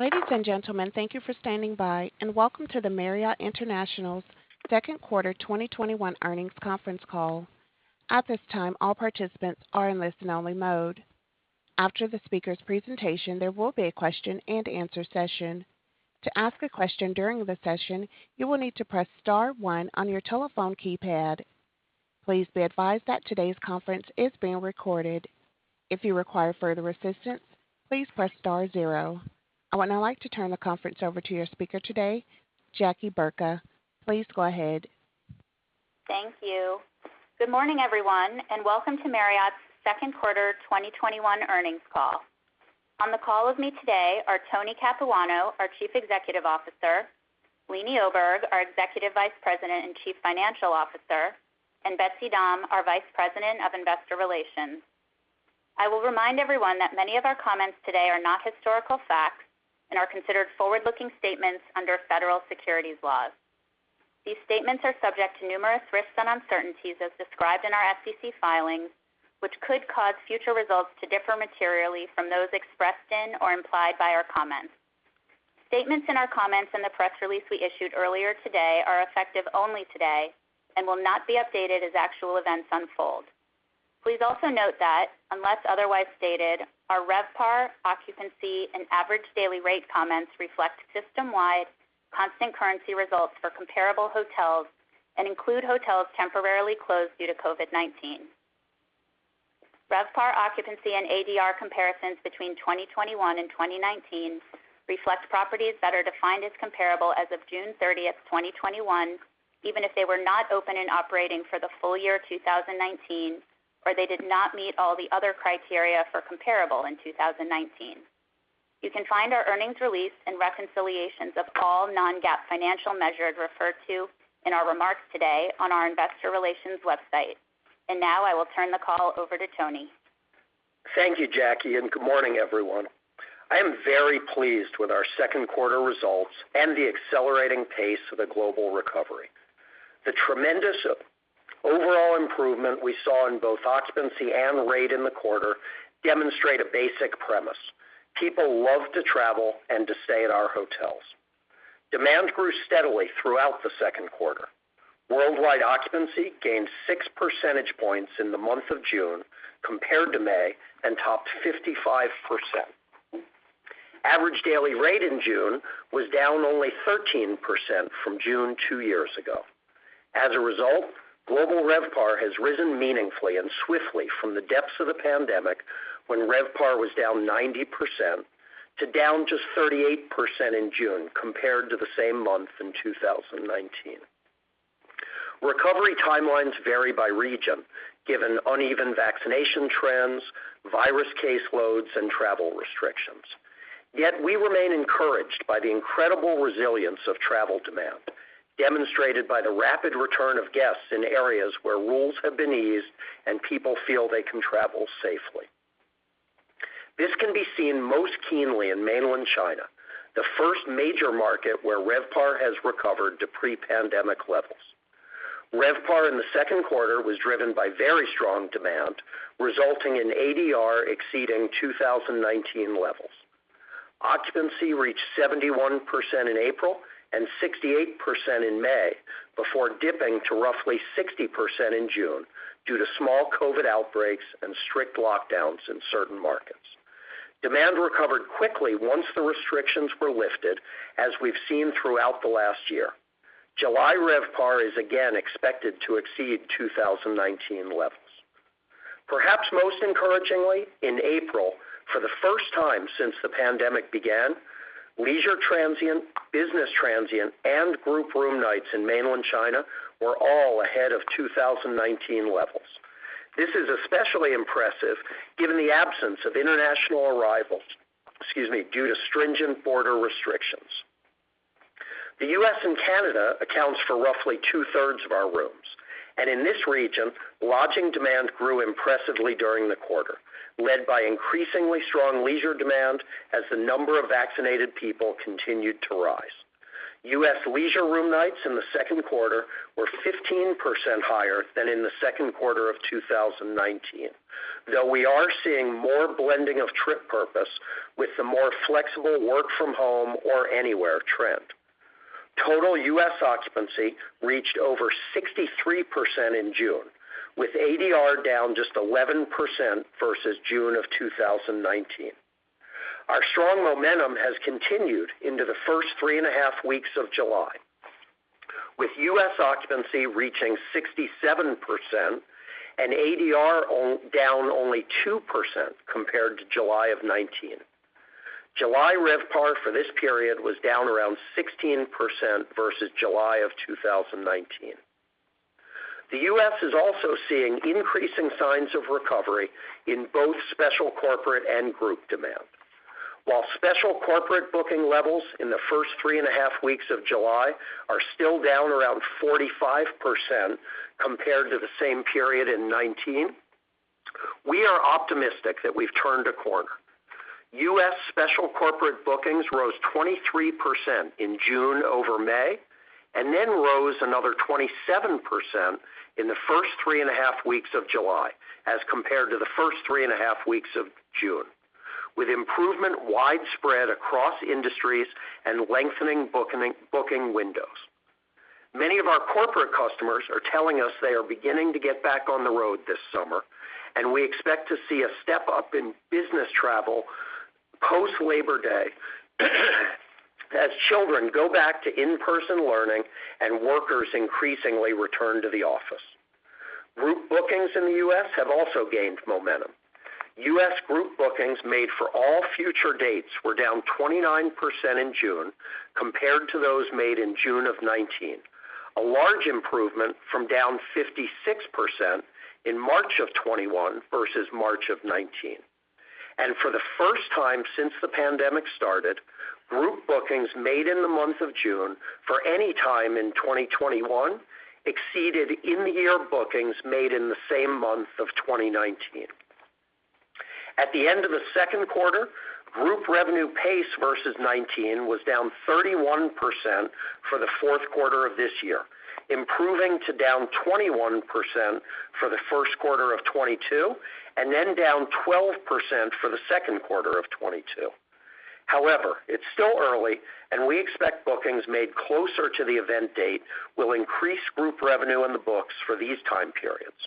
Ladies and gentlemen, thank you for standing by, and welcome to the Marriott International's second quarter 2021 earnings conference call. At this time, all participants are in listen-only mode. After the speaker's presentation, there will be a question-and-answer session. To ask a question during the session, you will need to press star one on your telephone keypad. Please be advised that today's conference is being recorded. If you require further assistance, please press star zero. I would now like to turn the conference over to your speaker today, Jackie Burka. Please go ahead. Thank you. Good morning, everyone, and welcome to Marriott's second quarter 2021 earnings call. On the call with me today are Anthony Capuano, our Chief Executive Officer, Leeny Oberg, our Executive Vice President and Chief Financial Officer, and Betsy Dahm, our Vice President of Investor Relations. I will remind everyone that many of our comments today are not historical facts and are considered forward-looking statements under federal securities laws. These statements are subject to numerous risks and uncertainties as described in our SEC filings, which could cause future results to differ materially from those expressed in or implied by our comments. Statements in our comments and the press release we issued earlier today are effective only today and will not be updated as actual events unfold. Please also note that, unless otherwise stated, our RevPAR, occupancy, and average daily rate comments reflect system-wide constant currency results for comparable hotels and include hotels temporarily closed due to COVID-19. RevPAR occupancy and ADR comparisons between 2021 and 2019 reflect properties that are defined as comparable as of June 30th, 2021, even if they were not open and operating for the full year 2019, or they did not meet all the other criteria for comparable in 2019. You can find our earnings release and reconciliations of all non-GAAP financial measures referred to in our remarks today on our investor relations website. Now I will turn the call over to Tony. Thank you, Jackie, and good morning, everyone. I am very pleased with our second quarter results and the accelerating pace of the global recovery. The tremendous overall improvement we saw in both occupancy and rate in the quarter demonstrate a basic premise. People love to travel and to stay at our hotels. Demand grew steadily throughout the second quarter. Worldwide occupancy gained six percentage points in the month of June compared to May and topped 55%. Average daily rate in June was down only 13% from June two years ago. As a result, global RevPAR has risen meaningfully and swiftly from the depths of the pandemic, when RevPAR was down 90%, to down just 38% in June compared to the same month in 2019. Recovery timelines vary by region, given uneven vaccination trends, virus caseloads, and travel restrictions. Yet we remain encouraged by the incredible resilience of travel demand, demonstrated by the rapid return of guests in areas where rules have been eased and people feel they can travel safely. This can be seen most keenly in mainland China, the first major market where RevPAR has recovered to pre-pandemic levels. RevPAR in the second quarter was driven by very strong demand, resulting in ADR exceeding 2019 levels. Occupancy reached 71% in April and 68% in May before dipping to roughly 60% in June due to small COVID outbreaks and strict lockdowns in certain markets. Demand recovered quickly once the restrictions were lifted, as we've seen throughout the last year. July RevPAR is again expected to exceed 2019 levels. Perhaps most encouragingly, in April, for the first time since the pandemic began, leisure transient, business transient, and group room nights in mainland China were all ahead of 2019 levels. This is especially impressive given the absence of international arrivals due to stringent border restrictions. The U.S. and Canada accounts for roughly two-thirds of our rooms, and in this region, lodging demand grew impressively during the quarter, led by increasingly strong leisure demand as the number of vaccinated people continued to rise. U.S. leisure room nights in the second quarter were 15% higher than in the second quarter of 2019, though we are seeing more blending of trip purpose with the more flexible work from home or anywhere trend. Total U.S. occupancy reached over 63% in June, with ADR down just 11% versus June of 2019. Our strong momentum has continued into the first three and a half weeks of July, with U.S. occupancy reaching 67% and ADR down only 2% compared to July of 2019. July RevPAR for this period was down around 16% versus July of 2019. The U.S. is also seeing increasing signs of recovery in both special corporate and group demand. While special corporate booking levels in the first three and a half weeks of July are still down around 45% compared to the same period in 2019, we are optimistic that we've turned a corner. U.S. special corporate bookings rose 23% in June over May. Rose another 27% in the first three and a half weeks of July as compared to the first three and a half weeks of June, with improvement widespread across industries and lengthening booking windows. Many of our corporate customers are telling us they are beginning to get back on the road this summer. We expect to see a step-up in business travel post Labor Day, as children go back to in-person learning and workers increasingly return to the office. Group bookings in the U.S. have also gained momentum. U.S. group bookings made for all future dates were down 29% in June compared to those made in June of 2019, a large improvement from down 56% in March of 2021 versus March of 2019. For the first time since the pandemic started, group bookings made in the month of June for any time in 2021 exceeded in the year bookings made in the same month of 2019. At the end of the second quarter, group revenue pace versus 2019 was down 31% for the fourth quarter of this year, improving to down 21% for the first quarter of 2022, and then down 12% for the second quarter of 2022. However, it's still early, and we expect bookings made closer to the event date will increase group revenue in the books for these time periods.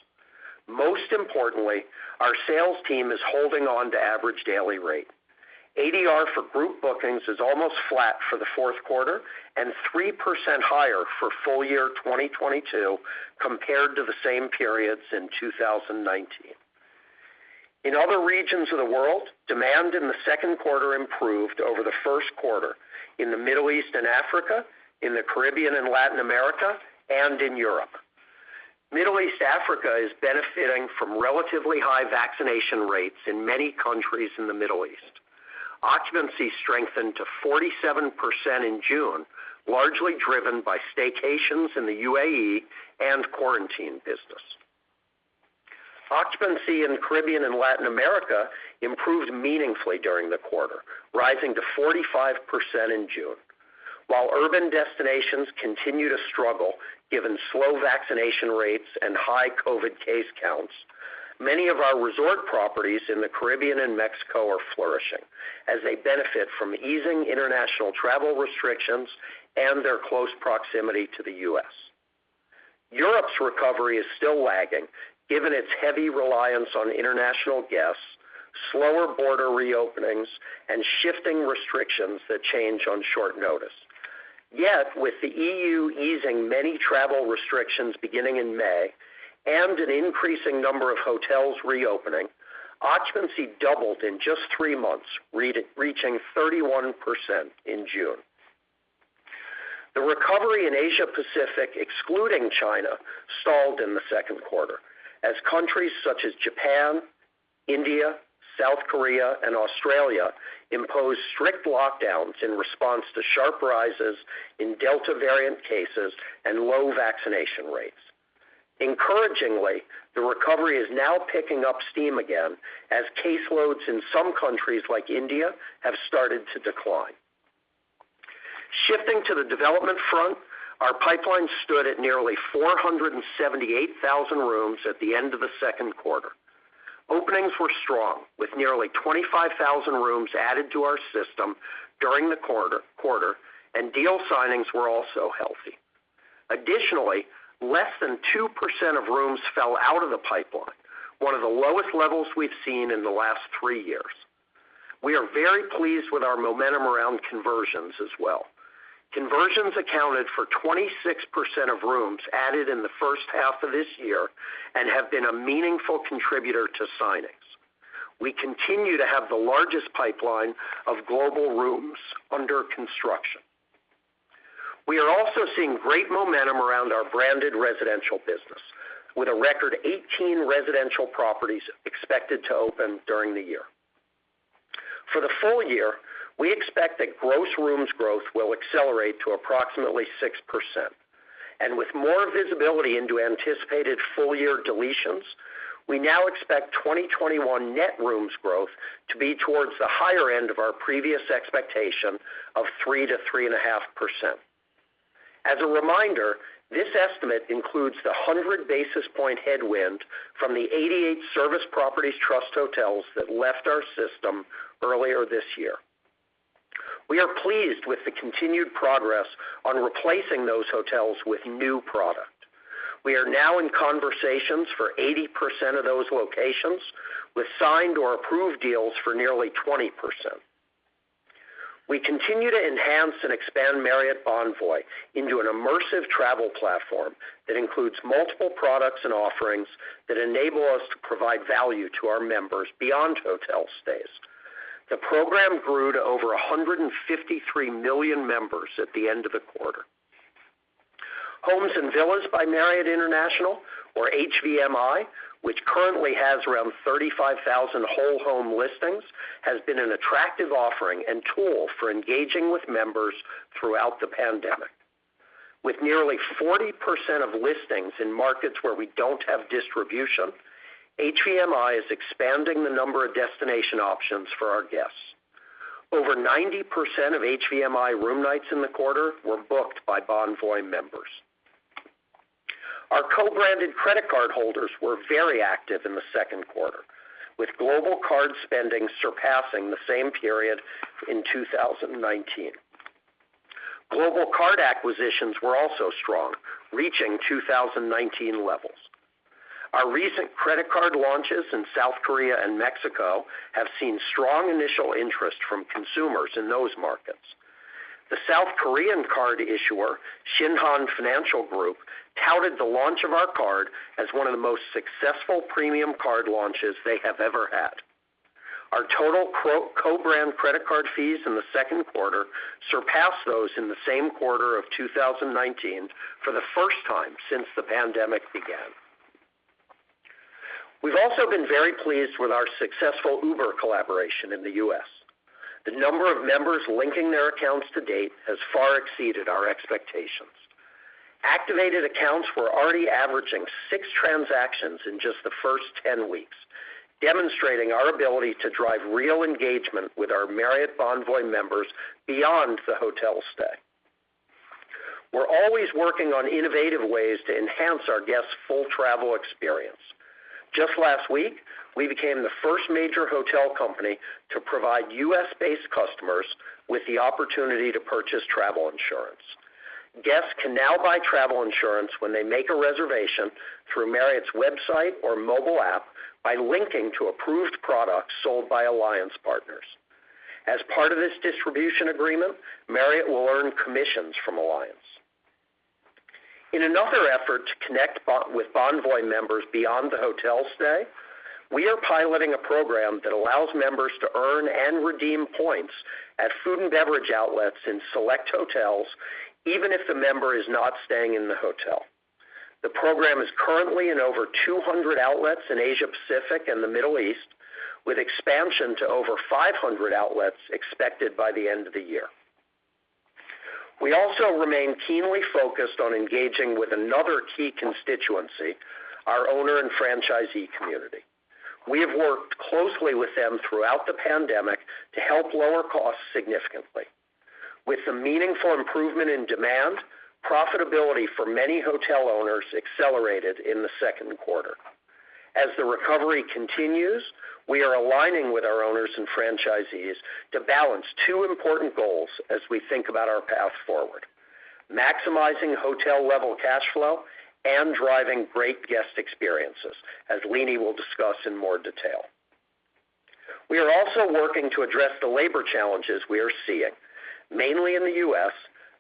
Most importantly, our sales team is holding on to average daily rate. ADR for group bookings is almost flat for the fourth quarter and 3% higher for full year 2022 compared to the same periods in 2019. In other regions of the world, demand in the second quarter improved over the first quarter in the Middle East and Africa, in the Caribbean and Latin America, and in Europe. Middle East Africa is benefiting from relatively high vaccination rates in many countries in the Middle East. Occupancy strengthened to 47% in June, largely driven by staycations in the UAE and quarantine business. Occupancy in the Caribbean and Latin America improved meaningfully during the quarter, rising to 45% in June. While urban destinations continue to struggle given slow vaccination rates and high COVID case counts, many of our resort properties in the Caribbean and Mexico are flourishing as they benefit from easing international travel restrictions and their close proximity to the U.S. Europe's recovery is still lagging given its heavy reliance on international guests, slower border reopenings, and shifting restrictions that change on short notice. Yet, with the EU easing many travel restrictions beginning in May and an increasing number of hotels reopening, occupancy doubled in just three months, reaching 31% in June. The recovery in Asia Pacific, excluding China, stalled in the second quarter as countries such as Japan, India, South Korea, and Australia imposed strict lockdowns in response to sharp rises in Delta variant cases and low vaccination rates. Encouragingly, the recovery is now picking up steam again as caseloads in some countries like India have started to decline. Shifting to the development front, our pipeline stood at nearly 478,000 rooms at the end of the second quarter. Openings were strong, with nearly 25,000 rooms added to our system during the quarter, and deal signings were also healthy. Additionally, less than 2% of rooms fell out of the pipeline, one of the lowest levels we've seen in the last three years. We are very pleased with our momentum around conversions as well. Conversions accounted for 26% of rooms added in the first half of this year and have been a meaningful contributor to signings. We continue to have the largest pipeline of global rooms under construction. We are also seeing great momentum around our branded residential business, with a record 18 residential properties expected to open during the year. For the full year, we expect that gross rooms growth will accelerate to approximately 6%. With more visibility into anticipated full-year deletions, we now expect 2021 net rooms growth to be towards the higher end of our previous expectation of 3%-3.5%. As a reminder, this estimate includes the 100 basis point headwind from the 88 Service Properties Trust hotels that left our system earlier this year. We are pleased with the continued progress on replacing those hotels with new product. We are now in conversations for 80% of those locations, with signed or approved deals for nearly 20%. We continue to enhance and expand Marriott Bonvoy into an immersive travel platform that includes multiple products and offerings that enable us to provide value to our members beyond hotel stays. The program grew to over 153 million members at the end of the quarter. Homes & Villas by Marriott International, or HVMI, which currently has around 35,000 whole home listings, has been an attractive offering and tool for engaging with members throughout the pandemic. With nearly 40% of listings in markets where we don't have distribution, HVMI is expanding the number of destination options for our guests. Over 90% of HVMI room nights in the quarter were booked by Bonvoy members. Our co-branded credit card holders were very active in the second quarter, with global card spending surpassing the same period in 2019. Global card acquisitions were also strong, reaching 2019 levels. Our recent credit card launches in South Korea and Mexico have seen strong initial interest from consumers in those markets. The South Korean card issuer, Shinhan Financial Group, touted the launch of our card as one of the most successful premium card launches they have ever had. Our total co-branded credit card fees in the second quarter surpassed those in the same quarter of 2019 for the first time since the pandemic began. We've also been very pleased with our successful Uber collaboration in the U.S. The number of members linking their accounts to date has far exceeded our expectations. Activated accounts were already averaging six transactions in just the first 10 weeks, demonstrating our ability to drive real engagement with our Marriott Bonvoy members beyond the hotel stay. We're always working on innovative ways to enhance our guests' full travel experience. Just last week, we became the first major hotel company to provide U.S.-based customers with the opportunity to purchase travel insurance. Guests can now buy travel insurance when they make a reservation through Marriott's website or mobile app by linking to approved products sold by Allianz Partners. As part of this distribution agreement, Marriott will earn commissions from Allianz. In another effort to connect with Bonvoy members beyond the hotel stay, we are piloting a program that allows members to earn and redeem points at food and beverage outlets in select hotels, even if the member is not staying in the hotel. The program is currently in over 200 outlets in Asia Pacific and the Middle East, with expansion to over 500 outlets expected by the end of the year. We also remain keenly focused on engaging with another key constituency, our owner and franchisee community. We have worked closely with them throughout the pandemic to help lower costs significantly. With the meaningful improvement in demand, profitability for many hotel owners accelerated in the second quarter. As the recovery continues, we are aligning with our owners and franchisees to balance two important goals as we think about our path forward: maximizing hotel-level cash flow and driving great guest experiences, as Leeny will discuss in more detail. We are also working to address the labor challenges we are seeing, mainly in the U.S.,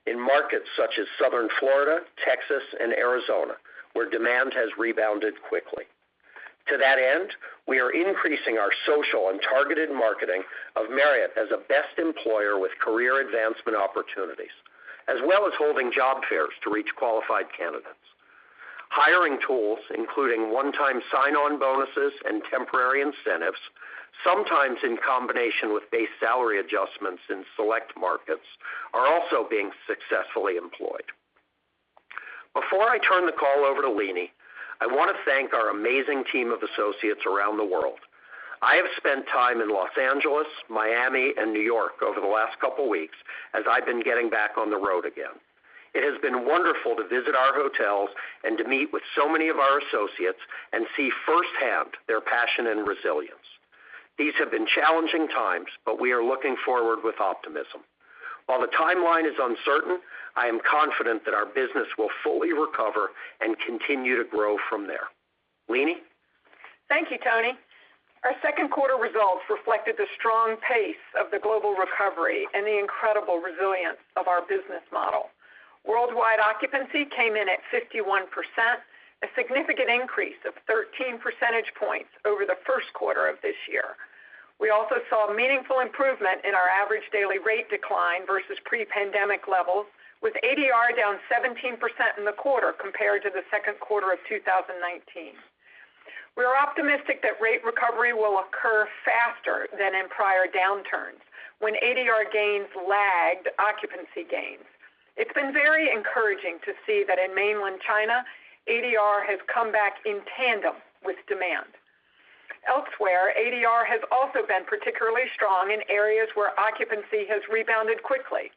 in markets such as Southern Florida, Texas, and Arizona, where demand has rebounded quickly. To that end, we are increasing our social and targeted marketing of Marriott as a best employer with career advancement opportunities, as well as holding job fairs to reach qualified candidates. Hiring tools, including one-time sign-on bonuses and temporary incentives, sometimes in combination with base salary adjustments in select markets, are also being successfully employed. Before I turn the call over to Leeny, I want to thank our amazing team of associates around the world. I have spent time in Los Angeles, Miami, and New York over the last couple weeks, as I've been getting back on the road again. It has been wonderful to visit our hotels and to meet with so many of our associates and see firsthand their passion and resilience. These have been challenging times, but we are looking forward with optimism. While the timeline is uncertain, I am confident that our business will fully recover and continue to grow from there. Leeny? Thank you, Tony. Our second quarter results reflected the strong pace of the global recovery and the incredible resilience of our business model. Worldwide occupancy came in at 51%, a significant increase of 13 percentage points over the first quarter of this year. We also saw meaningful improvement in our average daily rate decline versus pre-pandemic levels, with ADR down 17% in the quarter compared to the second quarter of 2019. We are optimistic that rate recovery will occur faster than in prior downturns when ADR gains lagged occupancy gains. It's been very encouraging to see that in mainland China, ADR has come back in tandem with demand. Elsewhere, ADR has also been particularly strong in areas where occupancy has rebounded quickly.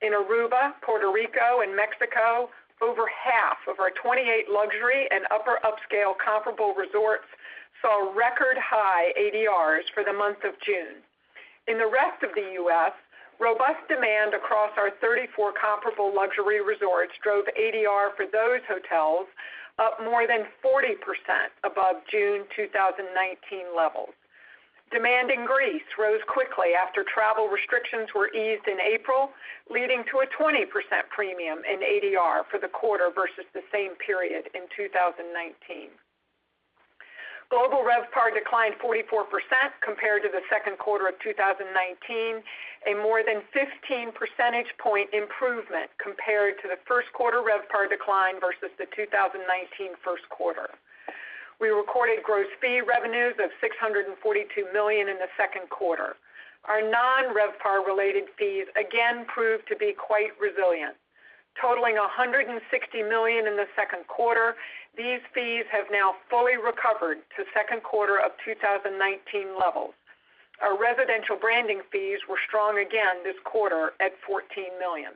In Aruba, Puerto Rico, and Mexico, over half of our 28 luxury and upper upscale comparable resorts saw record high ADRs for the month of June. In the rest of the U.S., robust demand across our 34 comparable luxury resorts drove ADR for those hotels up more than 40% above June 2019 levels. Demand in Greece rose quickly after travel restrictions were eased in April, leading to a 20% premium in ADR for the quarter versus the same period in 2019. Global RevPAR declined 44% compared to the second quarter of 2019, a more than 15 percentage point improvement compared to the first quarter RevPAR decline versus the 2019 first quarter. We recorded gross fee revenues of $642 million in the second quarter. Our non-RevPAR related fees again proved to be quite resilient. Totaling $160 million in the second quarter, these fees have now fully recovered to second quarter of 2019 levels. Our residential branding fees were strong again this quarter at $14 million.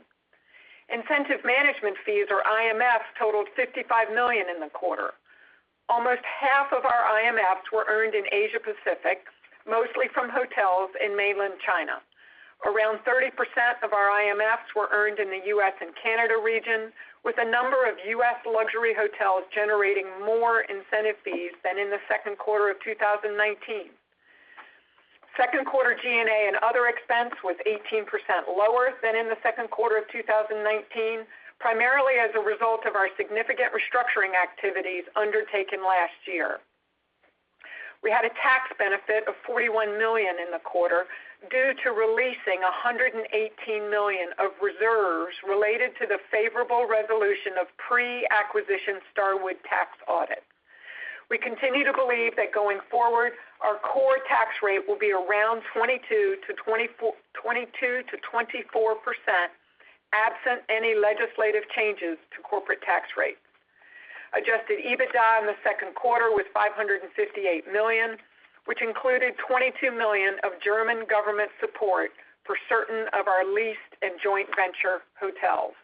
Incentive management fees or IMFs totaled $55 million in the quarter. Almost half of our IMFs were earned in Asia Pacific, mostly from hotels in mainland China. Around 30% of our IMFs were earned in the U.S. and Canada region, with a number of U.S. luxury hotels generating more incentive fees than in the second quarter of 2019. Second quarter G&A and other expense was 18% lower than in the second quarter of 2019, primarily as a result of our significant restructuring activities undertaken last year. We had a tax benefit of $41 million in the quarter due to releasing $118 million of reserves related to the favorable resolution of pre-acquisition Starwood tax audit. We continue to believe that going forward, our core tax rate will be around 22%-24% absent any legislative changes to corporate tax rates. Adjusted EBITDA in the second quarter was $558 million, which included $22 million of German government support for certain of our leased and joint venture hotels.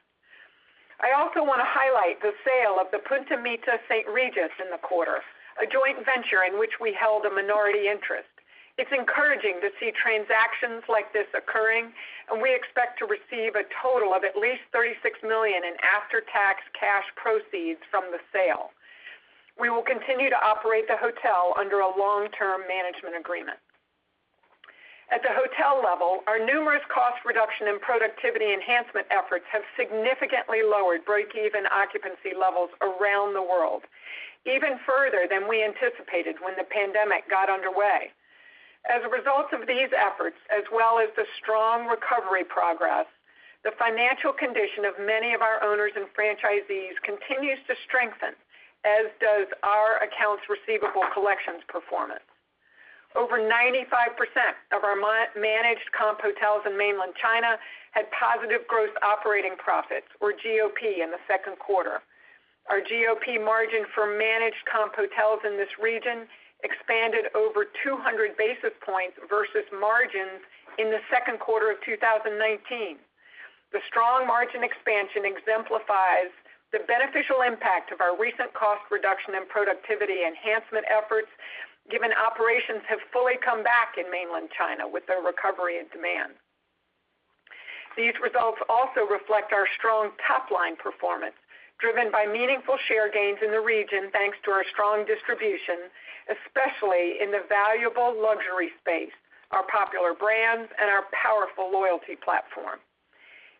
I also want to highlight the sale of the Punta Mita St. Regis in the quarter, a joint venture in which we held a minority interest. It's encouraging to see transactions like this occurring. We expect to receive a total of at least $36 million in after-tax cash proceeds from the sale. We will continue to operate the hotel under a long-term management agreement. At the hotel level, our numerous cost reduction and productivity enhancement efforts have significantly lowered break-even occupancy levels around the world, even further than we anticipated when the pandemic got underway. As a result of these efforts, as well as the strong recovery progress, the financial condition of many of our owners and franchisees continues to strengthen, as does our accounts receivable collections performance. Over 95% of our managed comp hotels in mainland China had positive gross operating profits or GOP in the second quarter. Our GOP margin for managed comp hotels in this region expanded over 200 basis points versus margins in the second quarter of 2019. The strong margin expansion exemplifies the beneficial impact of our recent cost reduction and productivity enhancement efforts given operations have fully come back in mainland China with the recovery and demand. These results also reflect our strong top-line performance driven by meaningful share gains in the region thanks to our strong distribution, especially in the valuable luxury space, our popular brands, and our powerful loyalty platform.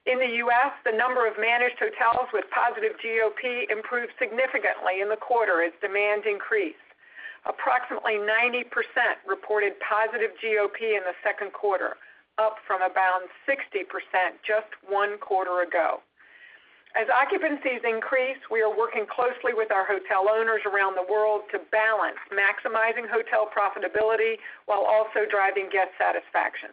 In the U.S., the number of managed hotels with positive GOP improved significantly in the quarter as demand increased. Approximately 90% reported positive GOP in the second quarter, up from about 60% just one quarter ago. As occupancies increase, we are working closely with our hotel owners around the world to balance maximizing hotel profitability while also driving guest satisfaction.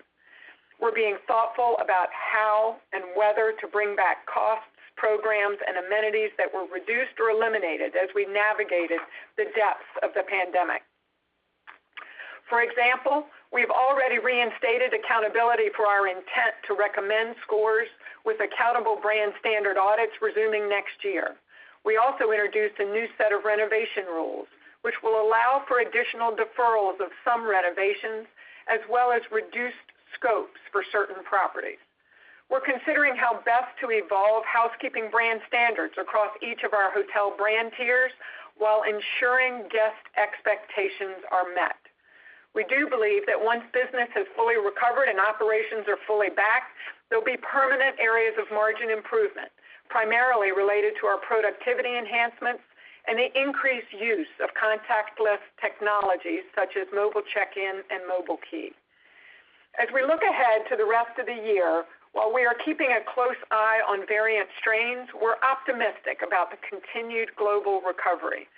We're being thoughtful about how and whether to bring back costs, programs, and amenities that were reduced or eliminated as we navigated the depths of the pandemic. For example, we've already reinstated accountability for our intent to recommend scores with accountable brand standard audits resuming next year. We also introduced a new set of renovation rules, which will allow for additional deferrals of some renovations, as well as reduced scopes for certain properties. We're considering how best to evolve housekeeping brand standards across each of our hotel brand tiers while ensuring guest expectations are met. We do believe that once business has fully recovered and operations are fully back, there'll be permanent areas of margin improvement, primarily related to our productivity enhancements and the increased use of contactless technologies such as mobile check-in and mobile key. We look ahead to the rest of the year, while we are keeping a close eye on variant strains, we're optimistic about the continued global recovery.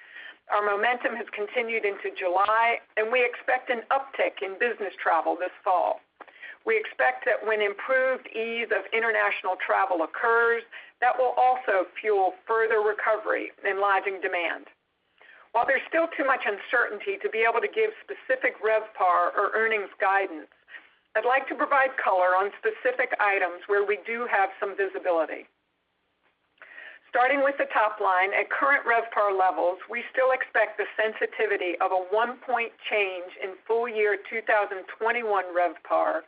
Our momentum has continued into July, we expect an uptick in business travel this fall. We expect that when improved ease of international travel occurs, that will also fuel further recovery in lodging demand. While there's still too much uncertainty to be able to give specific RevPAR or earnings guidance, I'd like to provide color on specific items where we do have some visibility. Starting with the top line at current RevPAR levels, we still expect the sensitivity of a one point change in full year 2021 RevPAR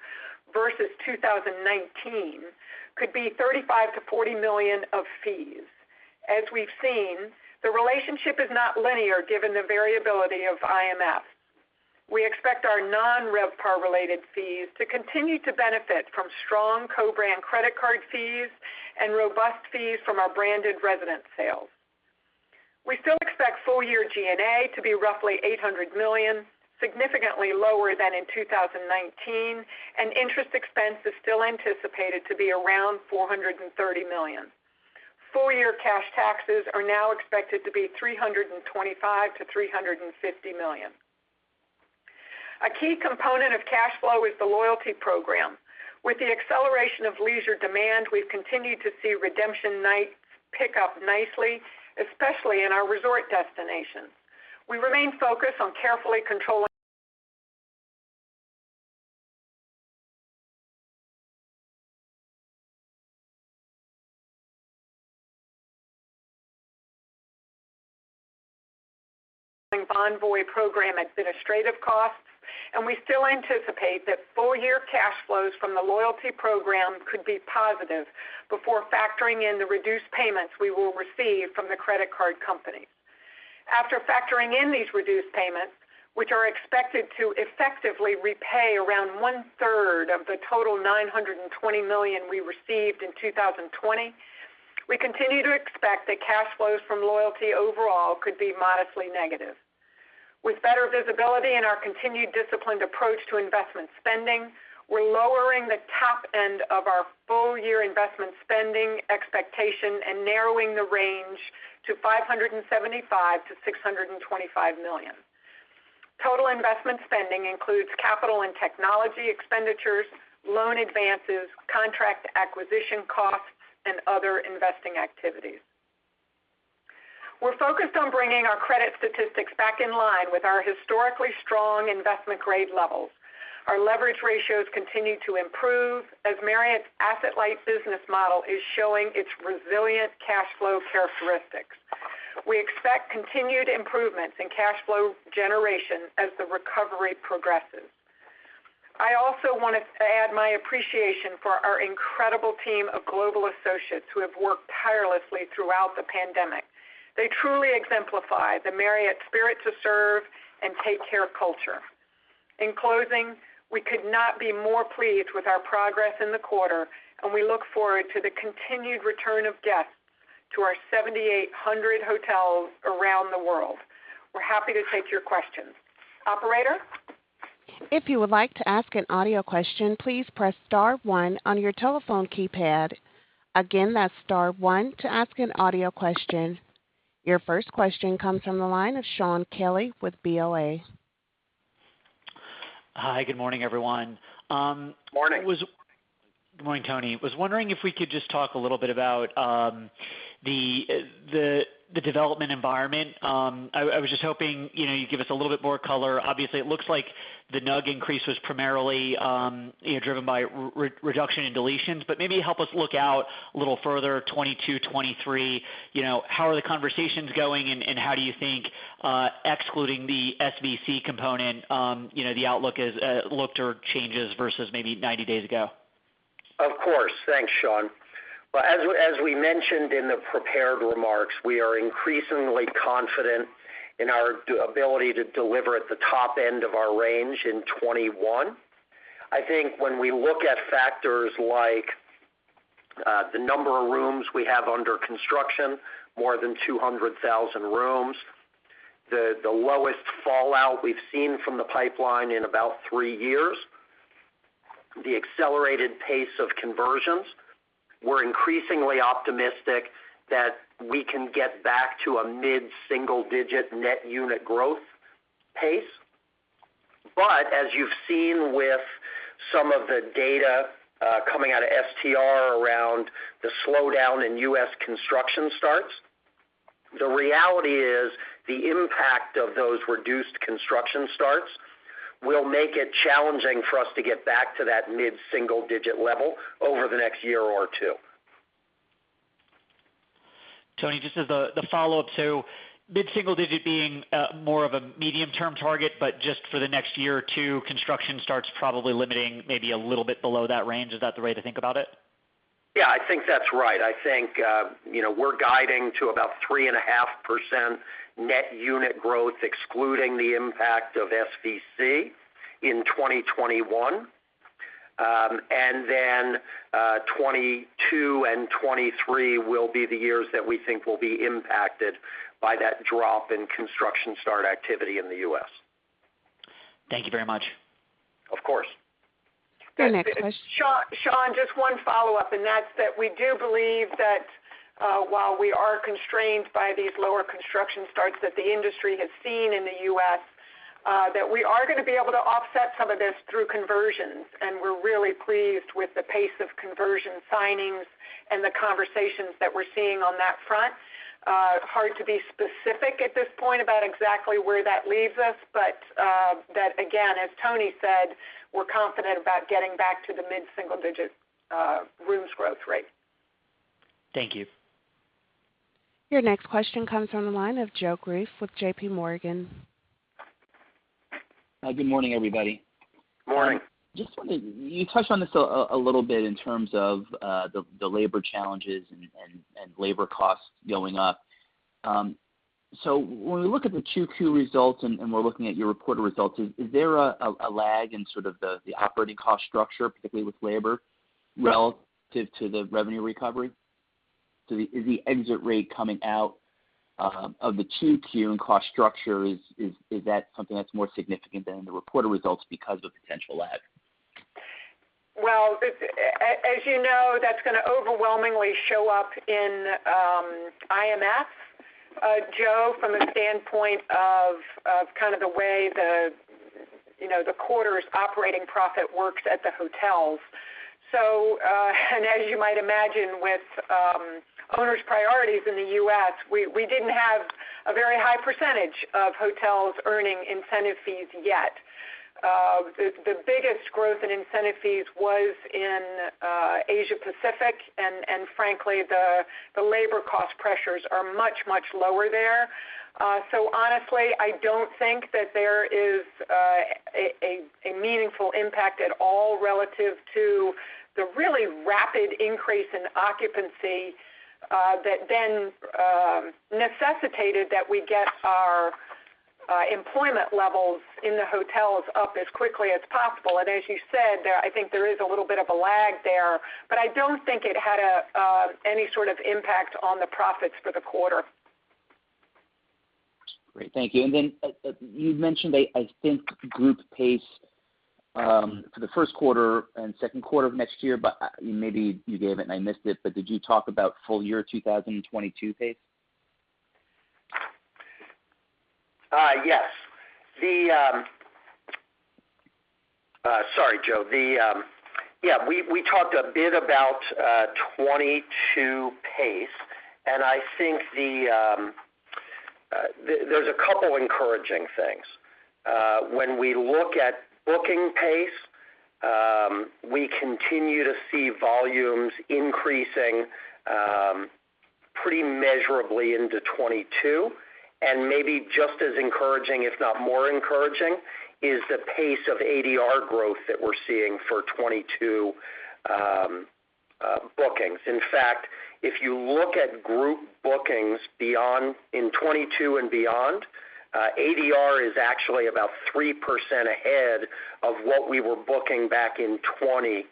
versus 2019 could be $35 million-$40 million of fees. As we've seen, the relationship is not linear given the variability of IMFs. We expect our non-RevPAR related fees to continue to benefit from strong co-branded credit card fees and robust fees from our branded residence sales. We still expect full year G&A to be roughly $800 million, significantly lower than in 2019, and interest expense is still anticipated to be around $430 million. Full year cash taxes are now expected to be $325 million-$350 million. A key component of cash flow is the loyalty program. With the acceleration of leisure demand, we've continued to see redemption nights pick up nicely, especially in our resort destinations. We remain focused on carefully controlling Bonvoy program administrative costs, and we still anticipate that full-year cash flows from the loyalty program could be positive before factoring in the reduced payments we will receive from the credit card company. After factoring in these reduced payments, which are expected to effectively repay around 1/3 of the total $920 million we received in 2020, we continue to expect that cash flows from loyalty overall could be modestly negative. With better visibility in our continued disciplined approach to investment spending, we're lowering the cap end of our full-year investment spending expectation and narrowing the range to $575 million-$625 million. Total investment spending includes capital and technology expenditures, loan advances, contract acquisition costs, and other investing activities. We're focused on bringing our credit statistics back in line with our historically strong investment grade levels. Our leverage ratios continue to improve as Marriott's asset-light business model is showing its resilient cash flow characteristics. We expect continued improvements in cash flow generation as the recovery progresses. I also want to add my appreciation for our incredible team of global associates who have worked tirelessly throughout the pandemic. They truly exemplify the Marriott spirit to serve and take care culture. In closing, we could not be more pleased with our progress in the quarter, and we look forward to the continued return of guests to our 7,800 hotels around the world. We're happy to take your questions. Operator? If you would like to ask an audio question, please press star on your telephone keypad. Again, that's star one to ask an audio question. Your first question comes from the line of Shaun Kelley with BOA. Hi, good morning, everyone. Morning. Good morning, Anthony. Was wondering if we could just talk a little bit about the development environment? I was just hoping you'd give us a little bit more color. Obviously, it looks like the NUG increase was primarily driven by reduction in deletions, but maybe help us look out a little further, 2022, 2023. How are the conversations going, and how do you think, excluding the SVC component, the outlook looked or changes versus maybe 90 days ago? Of course. Thanks, Shaun. As we mentioned in the prepared remarks, we are increasingly confident in our ability to deliver at the top end of our range in 2021. I think when we look at factors like the number of rooms we have under construction, more than 200,000 rooms, the lowest fallout we've seen from the pipeline in about three years, the accelerated pace of conversions, we're increasingly optimistic that we can get back to a mid-single-digit net unit growth pace. As you've seen with some of the data coming out of STR around the slowdown in U.S. construction starts, the reality is, the impact of those reduced construction starts will make it challenging for us to get back to that mid-single-digit level over the next year or two. Tony, just as the follow-up. Mid-single digit being more of a medium-term target, but just for the next year or two, construction starts probably limiting maybe a little bit below that range. Is that the way to think about it? Yeah, I think that's right. I think we're guiding to about 3.5% net unit growth excluding the impact of SVC in 2021. 2022 and 2023 will be the years that we think will be impacted by that drop in construction start activity in the U.S. Thank you very much. Of course. Your next question. Shaun, just one follow-up, that's that we do believe that while we are constrained by these lower construction starts that the industry has seen in the U.S., that we are going to be able to offset some of this through conversions, and we're really pleased with the pace of conversion signings and the conversations that we're seeing on that front. Hard to be specific at this point about exactly where that leaves us, that, again, as Tony said, we're confident about getting back to the mid-single-digit rooms growth rate. Thank you. Your next question comes from the line of Joe Greff with JPMorgan. Good morning, everybody. Morning. Just wondering, you touched on this a little bit in terms of the labor challenges and labor costs going up. When we look at the Q2 results and we're looking at your reported results, is there a lag in sort of the operating cost structure, particularly with labor, relative to the revenue recovery? Is the exit rate coming out of the Q2 and cost structure, is that something that's more significant than the reported results because of potential lag? Well, as you know, that's going to overwhelmingly show up in IMF, Joe, from a standpoint of the way the quarter's operating profit works at the hotels. As you might imagine with owners' priorities in the U.S., we didn't have a very high percentage of hotels earning incentive fees yet. The biggest growth in incentive fees was in Asia Pacific, and frankly, the labor cost pressures are much, much lower there. Honestly, I don't think that there is a meaningful impact at all relative to the really rapid increase in occupancy that then necessitated that we get our employment levels in the hotels up as quickly as possible. As you said, I think there is a little bit of a lag there, but I don't think it had any sort of impact on the profits for the quarter. Great, thank you. Then you mentioned, I think group pace for the first quarter and second quarter of next year, but maybe you gave it and I missed it, but did you talk about full year 2022 pace? Yes. Sorry, Joe. Yeah, we talked a bit about 2022 pace. I think there's a couple encouraging things. When we look at booking pace, we continue to see volumes increasing pretty measurably into 2022. Maybe just as encouraging, if not more encouraging, is the pace of ADR growth that we're seeing for 2022 bookings. In fact, if you look at group bookings in 2022 and beyond, ADR is actually about 3% ahead of what we were booking back in 2020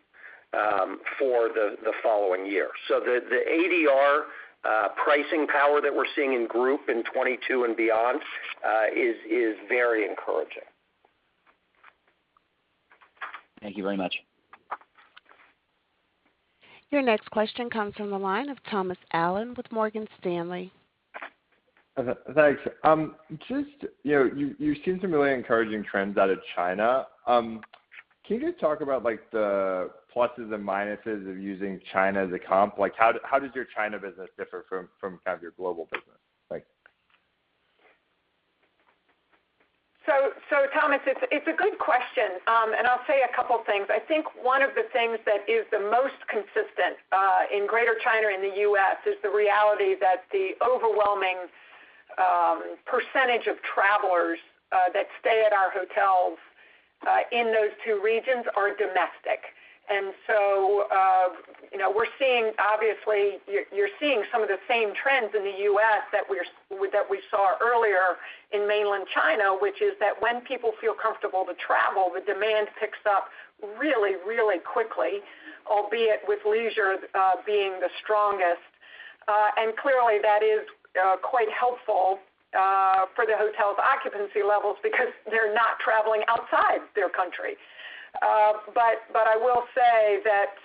for the following year. The ADR pricing power that we're seeing in group in 2022 and beyond is very encouraging. Thank you very much. Your next question comes from the line of Thomas Allen with Morgan Stanley. Thanks. You've seen some really encouraging trends out of China. Can you talk about the pluses and minuses of using China as a comp? How does your China business differ from your global business? Thomas, it's a good question, and I'll say a couple things. I think one of the things that is the most consistent in Greater China and the U.S. is the reality that the overwhelming percentage of travelers that stay at our hotels in those two regions are domestic. Obviously you're seeing some of the same trends in the U.S. that we saw earlier in Mainland China, which is that when people feel comfortable to travel, the demand picks up really, really quickly, albeit with leisure being the strongest. Clearly that is quite helpful for the hotel's occupancy levels because they're not traveling outside their country. I will say that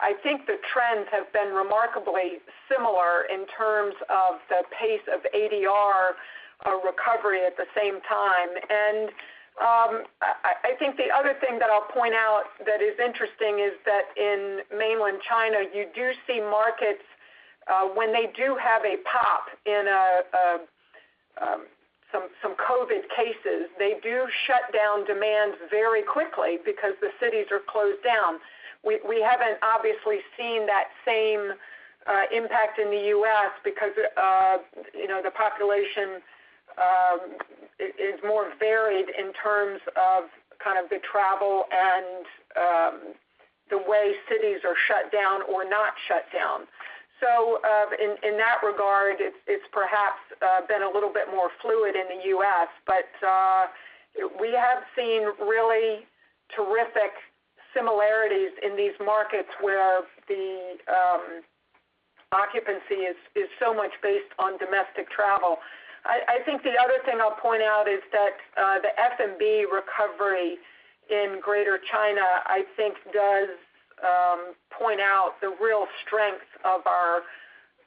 I think the trends have been remarkably similar in terms of the pace of ADR recovery at the same time. I think the other thing that I'll point out that is interesting is that in mainland China, you do see markets when they do have a pop in some COVID cases, they do shut down demand very quickly because the cities are closed down. We haven't obviously seen that same impact in the U.S. because the population is more varied in terms of the travel and the way cities are shut down or not shut down. In that regard, it's perhaps been a little bit more fluid in the U.S. We have seen really terrific similarities in these markets where the occupancy is so much based on domestic travel. I think the other thing I'll point out is that the F&B recovery in Greater China, I think, does point out the real strength of our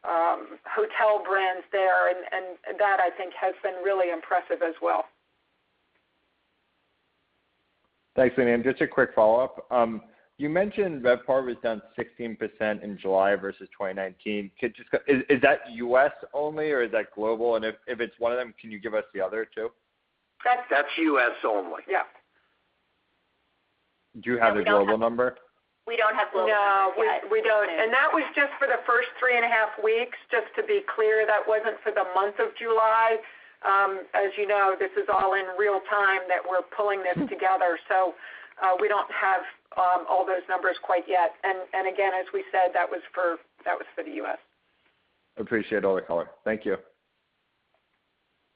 hotel brands there, and that I think has been really impressive as well. Thanks, Leeny. Just a quick follow-up. You mentioned RevPAR was down 16% in July versus 2019. Is that U.S. only, or is that global? If it's one of them, can you give us the other two? That's U.S. only. Yeah. Do you have a global number? We don't have global numbers yet. No, we don't. That was just for the first three and a half weeks, just to be clear, that wasn't for the month of July. As you know, this is all in real time that we're pulling this together, so we don't have all those numbers quite yet. Again, as we said, that was for the U.S. Appreciate all the color. Thank you.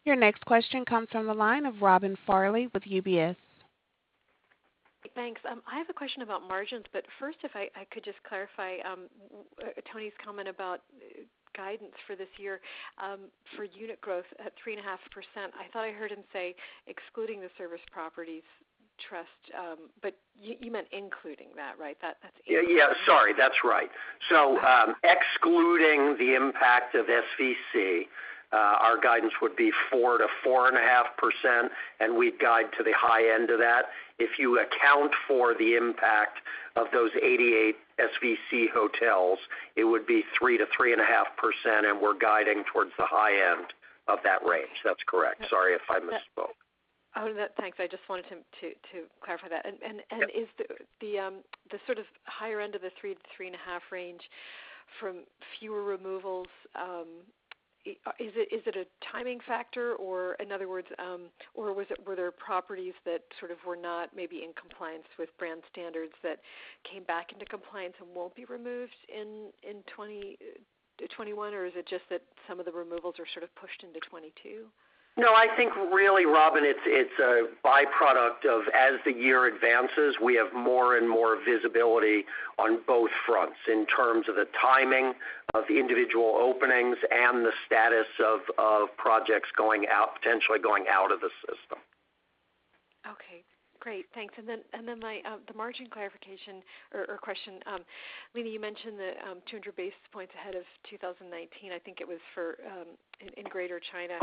Your next question comes from the line of Robin Farley with UBS. Thanks. I have a question about margins. First, if I could just clarify Tony's comment about guidance for this year for unit growth at 3.5%. I thought I heard him say excluding the Service Properties Trust. You meant including that, right? Yeah. Sorry. That's right. Excluding the impact of SVC, our guidance would be 4%-4.5%, and we'd guide to the high end of that. If you account for the impact of those 88 SVC hotels, it would be 3%-3.5%, and we're guiding towards the high end of that range. That's correct. Sorry if I misspoke. Oh, no. Thanks. I just wanted to clarify that. Yep. Is the sort of higher end of the 3% to 3.5% range from fewer removals? Is it a timing factor? In other words, were there properties that sort of were not maybe in compliance with brand standards that came back into compliance and won't be removed in 2021, or is it just that some of the removals are sort of pushed into 2022? No, I think really, Robin, it's a byproduct of as the year advances, we have more and more visibility on both fronts in terms of the timing of the individual openings and the status of projects potentially going out of the system. Okay, great. Thanks. The margin clarification or question. Leeny, you mentioned the 200 basis points ahead of 2019, I think it was in Greater China.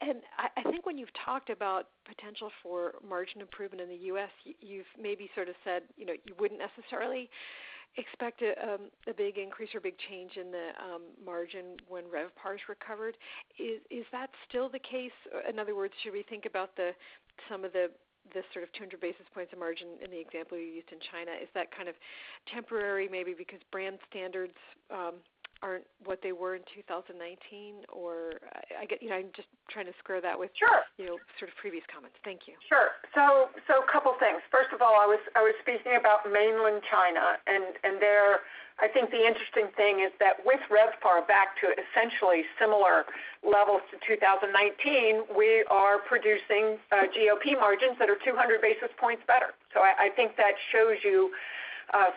I think when you've talked about potential for margin improvement in the U.S., you've maybe sort of said, you wouldn't necessarily expect a big increase or big change in the margin when RevPAR is recovered. Is that still the case? In other words, should we think about some of the sort of 200 basis points of margin in the example you used in China? Is that kind of temporary, maybe because brand standards aren't what they were in 2019? I'm just trying to square that with- Sure sort of previous comments. Thank you. Sure. Couple things. First of all, I was speaking about Mainland China, and there, I think the interesting thing is that with RevPAR back to essentially similar levels to 2019, we are producing GOP margins that are 200 basis points better. I think that shows you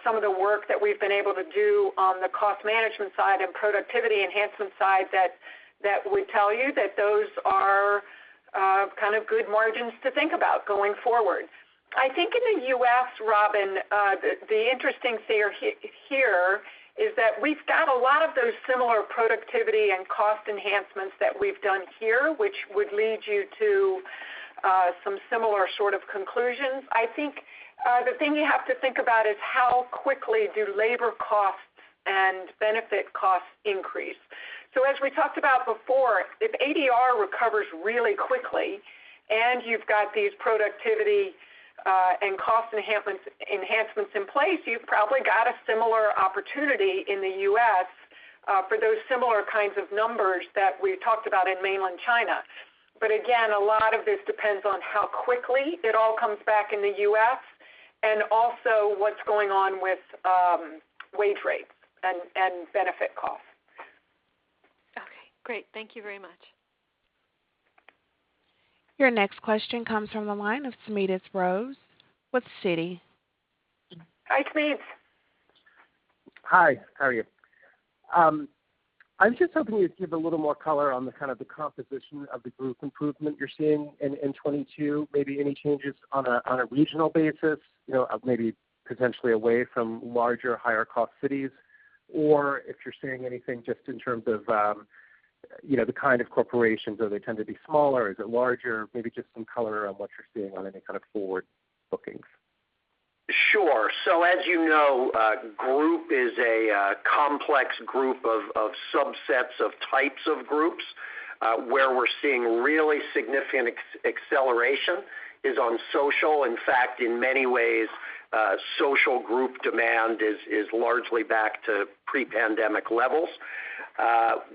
some of the work that we've been able to do on the cost management side and productivity enhancement side that would tell you that those are kind of good margins to think about going forward. I think in the U.S., Robin, the interesting theory here is that we've got a lot of those similar productivity and cost enhancements that we've done here, which would lead you to some similar sort of conclusions. I think the thing you have to think about is how quickly do labor costs and benefit costs increase. As we talked about before, if ADR recovers really quickly and you've got these productivity and cost enhancements in place, you've probably got a similar opportunity in the U.S. for those similar kinds of numbers that we talked about in Mainland China. Again, a lot of this depends on how quickly it all comes back in the U.S. and also what's going on with wage rates and benefit costs. Okay, great. Thank you very much. Your next question comes from the line of Smedes Rose with Citi. Hi, Smedes. Hi, how are you? I'm just hoping you'd give a little more color on the kind of the composition of the group improvement you're seeing in 2022. Maybe any changes on a regional basis, maybe potentially away from larger, higher cost cities, or if you're seeing anything just in terms of the kind of corporations. Are they tend to be smaller? Is it larger? Maybe just some color around what you're seeing on any kind of forward bookings. Sure. As you know, group is a complex group of subsets of types of groups. Where we're seeing really significant acceleration is on social. In fact, in many ways social group demand is largely back to pre-pandemic levels.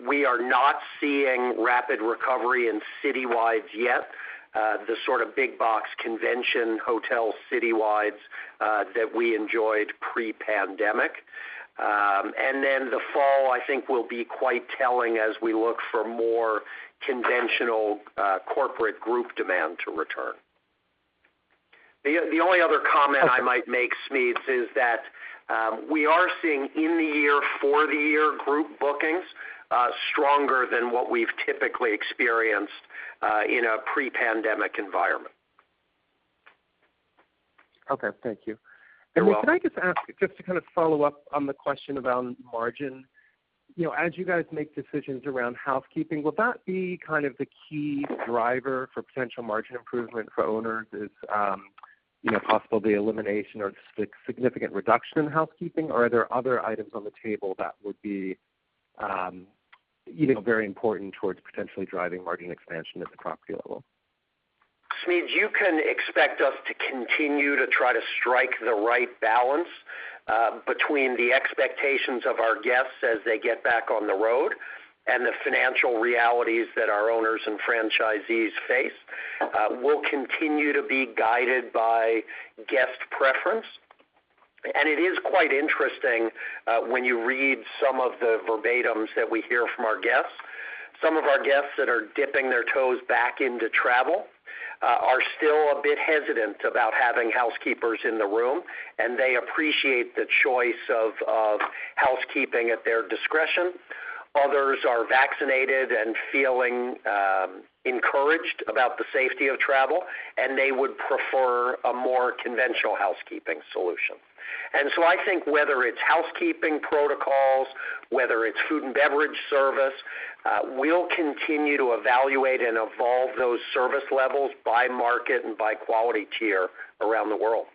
We are not seeing rapid recovery in citywide yet. The sort of big box convention hotel citywides that we enjoyed pre-pandemic. The fall I think will be quite telling as we look for more conventional corporate group demand to return. The only other comment I might make, Smedes, is that we are seeing in the year for the year group bookings stronger than what we've typically experienced in a pre-pandemic environment. Okay. Thank you. You're welcome. Can I just ask, just to kind of follow up on the question around margin. As you guys make decisions around housekeeping, will that be kind of the key driver for potential margin improvement for owners is possibly the elimination or significant reduction in housekeeping, or are there other items on the table that would be very important towards potentially driving margin expansion at the property level? Smedes, you can expect us to continue to try to strike the right balance between the expectations of our guests as they get back on the road and the financial realities that our owners and franchisees face. We'll continue to be guided by guest preference. It is quite interesting when you read some of the verbatims that we hear from our guests. Some of our guests that are dipping their toes back into travel are still a bit hesitant about having housekeepers in the room, and they appreciate the choice of housekeeping at their discretion. Others are vaccinated and feeling encouraged about the safety of travel, and they would prefer a more conventional housekeeping solution. I think whether it's housekeeping protocols, whether it's food and beverage service, we'll continue to evaluate and evolve those service levels by market and by quality tier around the world.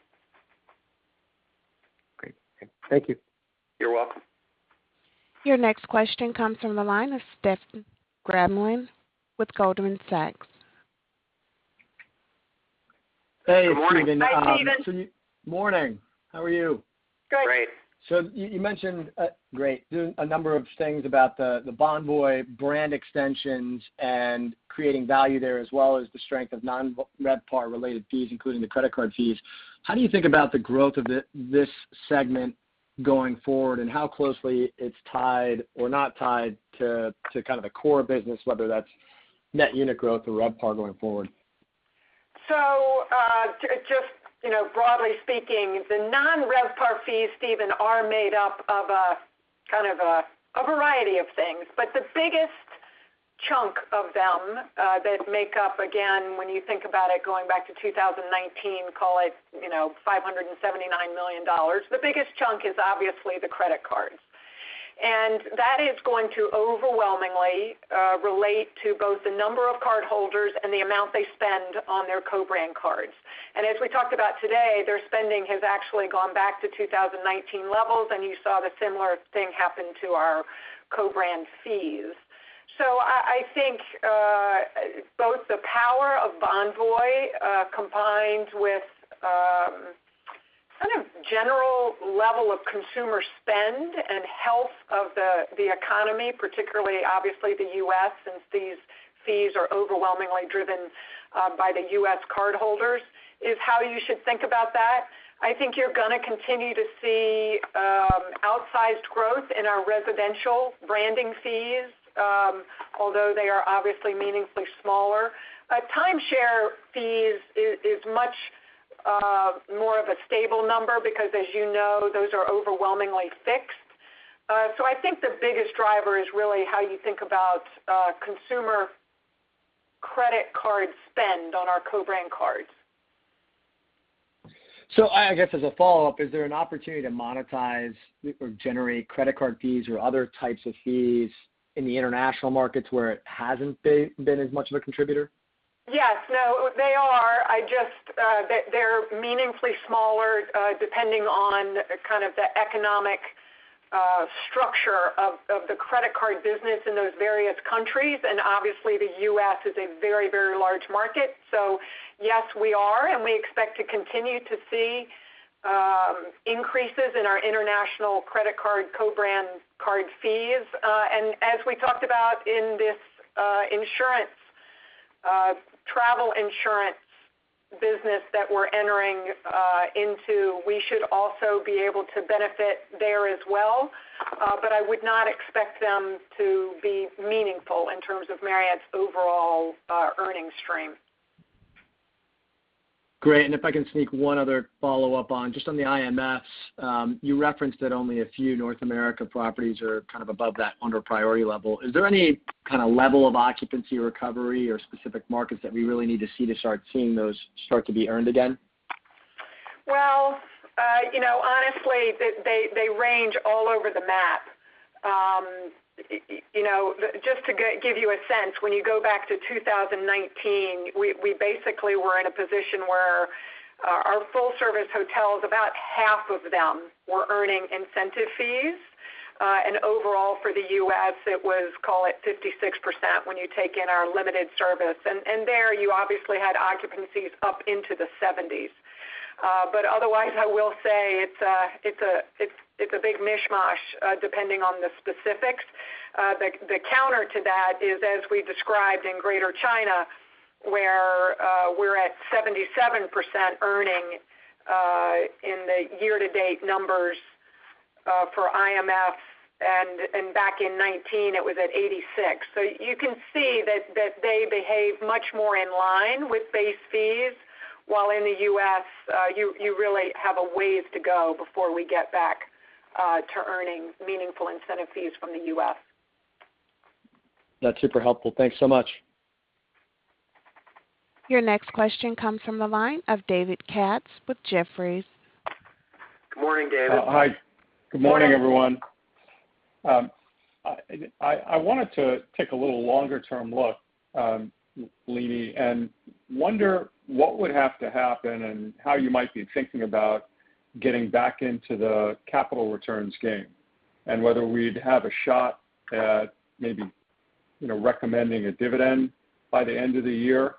Great. Thank you. You're welcome. Your next question comes from the line of Stephen Grambling with Goldman Sachs. Hey, Stephen. Good morning. Hi, Stephen. Morning. How are you? Good. Great. You mentioned a number of things about the Bonvoy brand extensions and creating value there, as well as the strength of non-RevPAR related fees, including the credit card fees. How do you think about the growth of this segment going forward and how closely it's tied or not tied to kind of the core business, whether that's net unit growth or RevPAR going forward? Just broadly speaking, the non-RevPAR fees, Stephen, are made up of a variety of things. The biggest chunk of them that make up, again, when you think about it going back to 2019, call it $579 million, the biggest chunk is obviously the credit cards. That is going to overwhelmingly relate to both the number of cardholders and the amount they spend on their co-brand cards. As we talked about today, their spending has actually gone back to 2019 levels, and you saw the similar thing happen to our co-brand fees. I think both the power of Bonvoy, combined with general level of consumer spend and health of the economy, particularly obviously the U.S., since these fees are overwhelmingly driven by the U.S. cardholders, is how you should think about that. I think you're going to continue to see outsized growth in our residential branding fees, although they are obviously meaningfully smaller. timeshare fees is much more of a stable number because as you know, those are overwhelmingly fixed. I think the biggest driver is really how you think about consumer credit card spend on our co-brand cards. I guess as a follow-up, is there an opportunity to monetize or generate credit card fees or other types of fees in the international markets where it hasn't been as much of a contributor? Yes, no, they are. They're meaningfully smaller, depending on the economic structure of the credit card business in those various countries, and obviously the U.S. is a very, very large market. Yes, we are, and we expect to continue to see increases in our international credit card co-brand card fees. As we talked about in this travel insurance business that we're entering into, we should also be able to benefit there as well. I would not expect them to be meaningful in terms of Marriott's overall earnings stream. Great. If I can sneak one other follow-up on just on the IMFs. You referenced that only a few North America properties are kind of above that [owner] priority level. Is there any kind of level of occupancy recovery or specific markets that we really need to see to start seeing those start to be earned again? Well, honestly, they range all over the map. Just to give you a sense, when you go back to 2019, we basically were in a position where our full-service hotels, about half of them were earning incentive fees. Overall for the U.S., it was, call it 56% when you take in our limited service. There, you obviously had occupancies up into the 70s. Otherwise, I will say it's a big mishmash, depending on the specifics. The counter to that is, as we described in Greater China, where we're at 77% earning in the year-to-date numbers for IMFs, and back in 2019, it was at 86%. You can see that they behave much more in line with base fees, while in the U.S., you really have a ways to go before we get back to earning meaningful incentive fees from the U.S. That's super helpful. Thanks so much. Your next question comes from the line of David Katz with Jefferies. Good morning, David. Hi. Good morning, everyone. I wanted to take a little longer-term look, Leeny, and wonder what would have to happen and how you might be thinking about getting back into the capital returns game, and whether we'd have a shot at maybe recommending a dividend by the end of the year.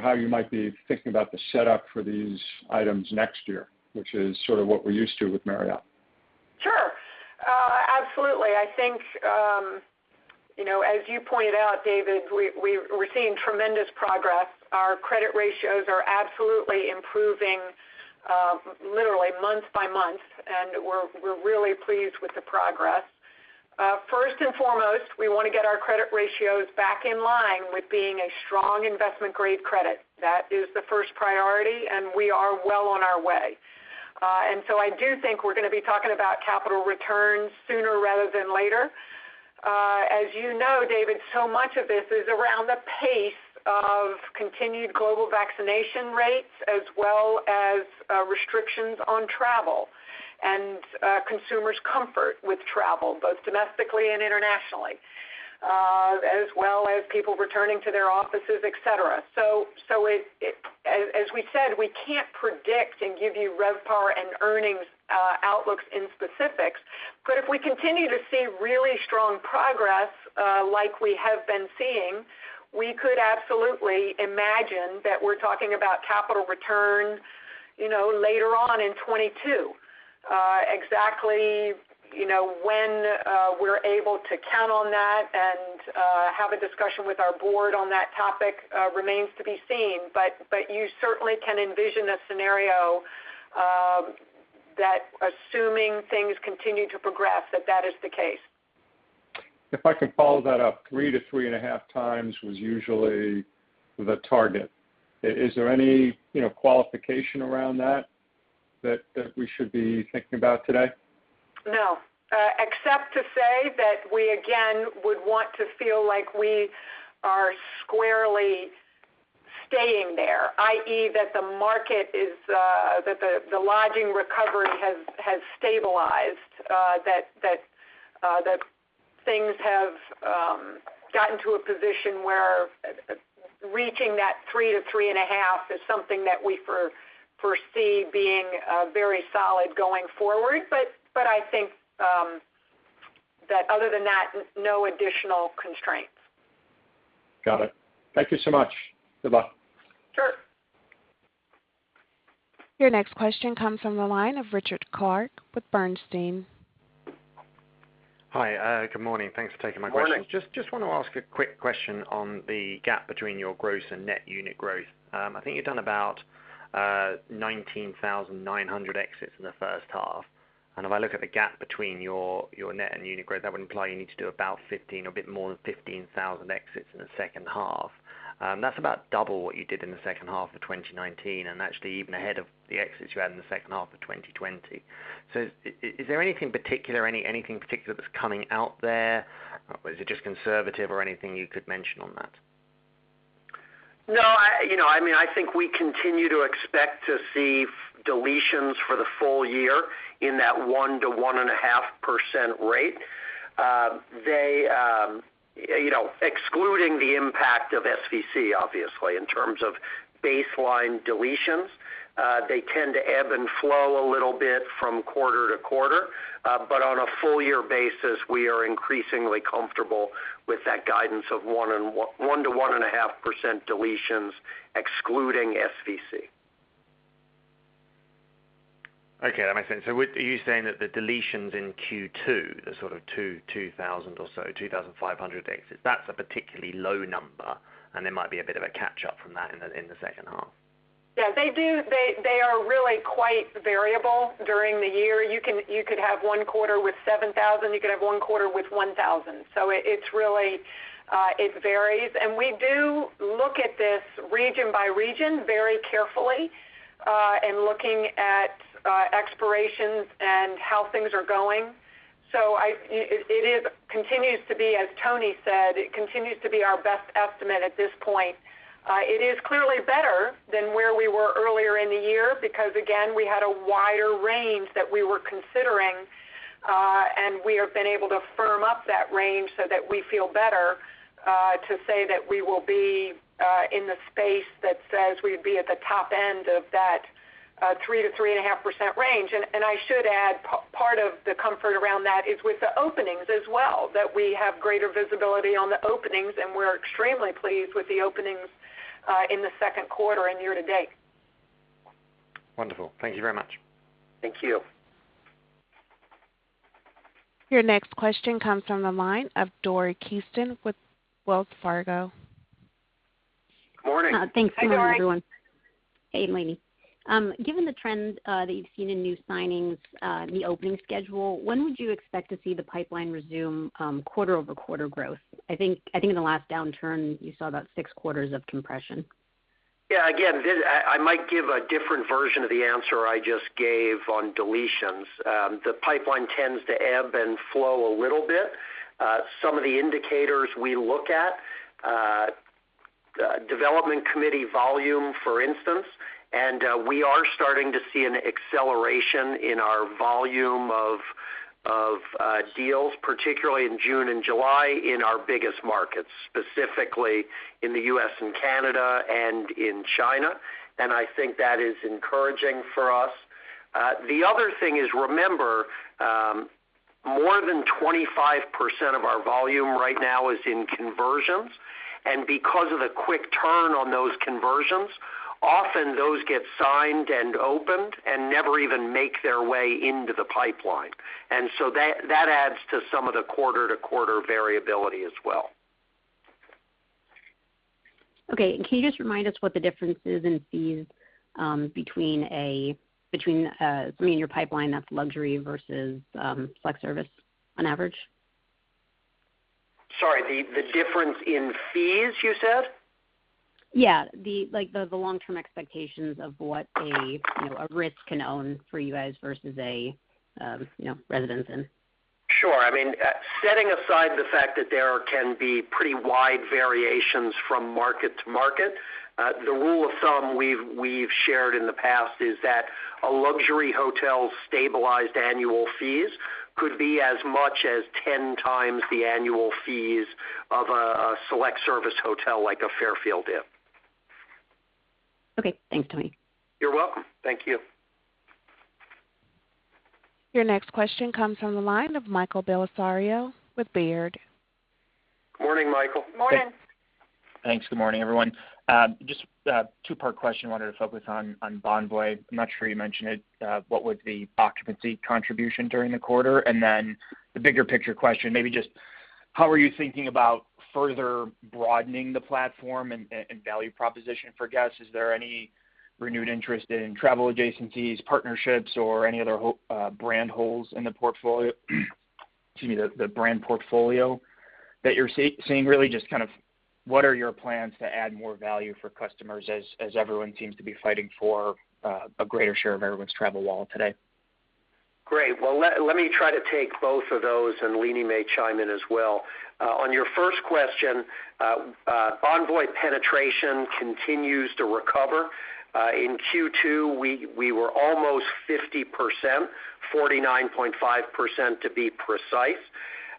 How you might be thinking about the setup for these items next year, which is sort of what we're used to with Marriott. Sure. Absolutely. I think, as you pointed out, David, we're seeing tremendous progress. Our credit ratios are absolutely improving literally month by month, and we're really pleased with the progress. First and foremost, we want to get our credit ratios back in line with being a strong investment grade credit. That is the first priority, and we are well on our way. I do think we're going to be talking about capital returns sooner rather than later. As you know, David, so much of this is around the pace of continued global vaccination rates, as well as restrictions on travel and consumers' comfort with travel, both domestically and internationally, as well as people returning to their offices, et cetera. As we said, we can't predict and give you RevPAR and earnings outlooks in specifics, if we continue to see really strong progress like we have been seeing, we could absolutely imagine that we're talking about capital return later on in 2022. Exactly when we're able to count on that and have a discussion with our Board on that topic remains to be seen, you certainly can envision a scenario that assuming things continue to progress, that is the case. If I could follow that up, 3x to 3.5x was usually the target. Is there any qualification around that that we should be thinking about today? No, except to say that we, again, would want to feel like we are squarely staying there, i.e., that the lodging recovery has stabilized, that things have gotten to a position where reaching that three to three and a half is something that we foresee being very solid going forward. I think that other than that, no additional constraints. Got it. Thank you so much. Good luck. Sure. Your next question comes from the line of Richard Clarke with Bernstein. Hi. Good morning. Thanks for taking my question. Morning. Just want to ask a quick question on the gap between your gross and net unit growth. I think you've done about 19,900 exits in the first half, and if I look at the gap between your net and unit growth, that would imply you need to do about 15 or a bit more than 15,000 exits in the second half. That's about double what you did in the second half of 2019, and actually even ahead of the exits you had in the second half of 2020. Is there anything particular that's coming out there? Is it just conservative or anything you could mention on that? I think we continue to expect to see deletions for the full year in that 1%-1.5% rate. Excluding the impact of SVC, obviously, in terms of baseline deletions, they tend to ebb and flow a little bit from quarter-to-quarter. On a full year basis, we are increasingly comfortable with that guidance of 1%-1.5% deletions excluding SVC. Okay. That makes sense. Are you saying that the deletions in Q2, the sort of 2,000 or so, 2,500 exits, that is a particularly low number, and there might be a bit of a catch up from that in the second half? They are really quite variable during the year. You could have one quarter with 7,000, you could have one quarter with 1,000. It varies. We do look at this region by region very carefully, and looking at expirations and how things are going. It continues to be, as Tony said, it continues to be our best estimate at this point. It is clearly better than where we were earlier in the year, because again, we had a wider range that we were considering, and we have been able to firm up that range so that we feel better to say that we will be in the space that says we'd be at the top end of that 3%-3.5% range. I should add, part of the comfort around that is with the openings as well, that we have greater visibility on the openings, and we're extremely pleased with the openings in the second quarter and year-to-date. Wonderful. Thank you very much. Thank you. Your next question comes from the line of Dori Kesten with Wells Fargo. Morning. Thanks so much, everyone. Hi, Dori. Hey, Leeny Oberg. Given the trends that you've seen in new signings, the opening schedule, when would you expect to see the pipeline resume quarter-over-quarter growth? I think in the last downturn, you saw about six quarters of compression. Yeah. Again, I might give a different version of the answer I just gave on deletions. The pipeline tends to ebb and flow a little bit. Some of the indicators we look at, development committee volume, for instance, we are starting to see an acceleration in our volume of deals, particularly in June and July in our biggest markets, specifically in the U.S. and Canada and in China. I think that is encouraging for us. The other thing is, remember, more than 25% of our volume right now is in conversions, and because of the quick turn on those conversions, often those get signed and opened and never even make their way into the pipeline. That adds to some of the quarter-to-quarter variability as well. Can you just remind us what the difference is in fees between your pipeline, that's luxury versus select service on average? Sorry, the difference in fees, you said? Yeah. The long-term expectations of what a Ritz can earn for you guys versus a Residence Inn. Sure. Setting aside the fact that there can be pretty wide variations from market to market, the rule of thumb we've shared in the past is that a luxury hotel's stabilized annual fees could be as much as 10x the annual fees of a select service hotel like a Fairfield Inn. Okay. Thanks, Anthony Capuano. You're welcome. Thank you. Your next question comes from the line of Michael Bellisario with Baird. Morning, Michael. Morning. Thanks. Good morning, everyone. Just a two-part question I wanted to focus on Bonvoy. I'm not sure you mentioned it. What was the occupancy contribution during the quarter? Then the bigger picture question, maybe just how are you thinking about further broadening the platform and value proposition for guests? Is there any renewed interest in travel adjacencies, partnerships, or any other brand holes in the brand portfolio that you're seeing, really just what are your plans to add more value for customers as everyone seems to be fighting for a greater share of everyone's travel wallet today? Great. Well, let me try to take both of those, and Leeny may chime in as well. On your first question, Bonvoy penetration continues to recover. In Q2, we were almost 50%, 49.5% to be precise.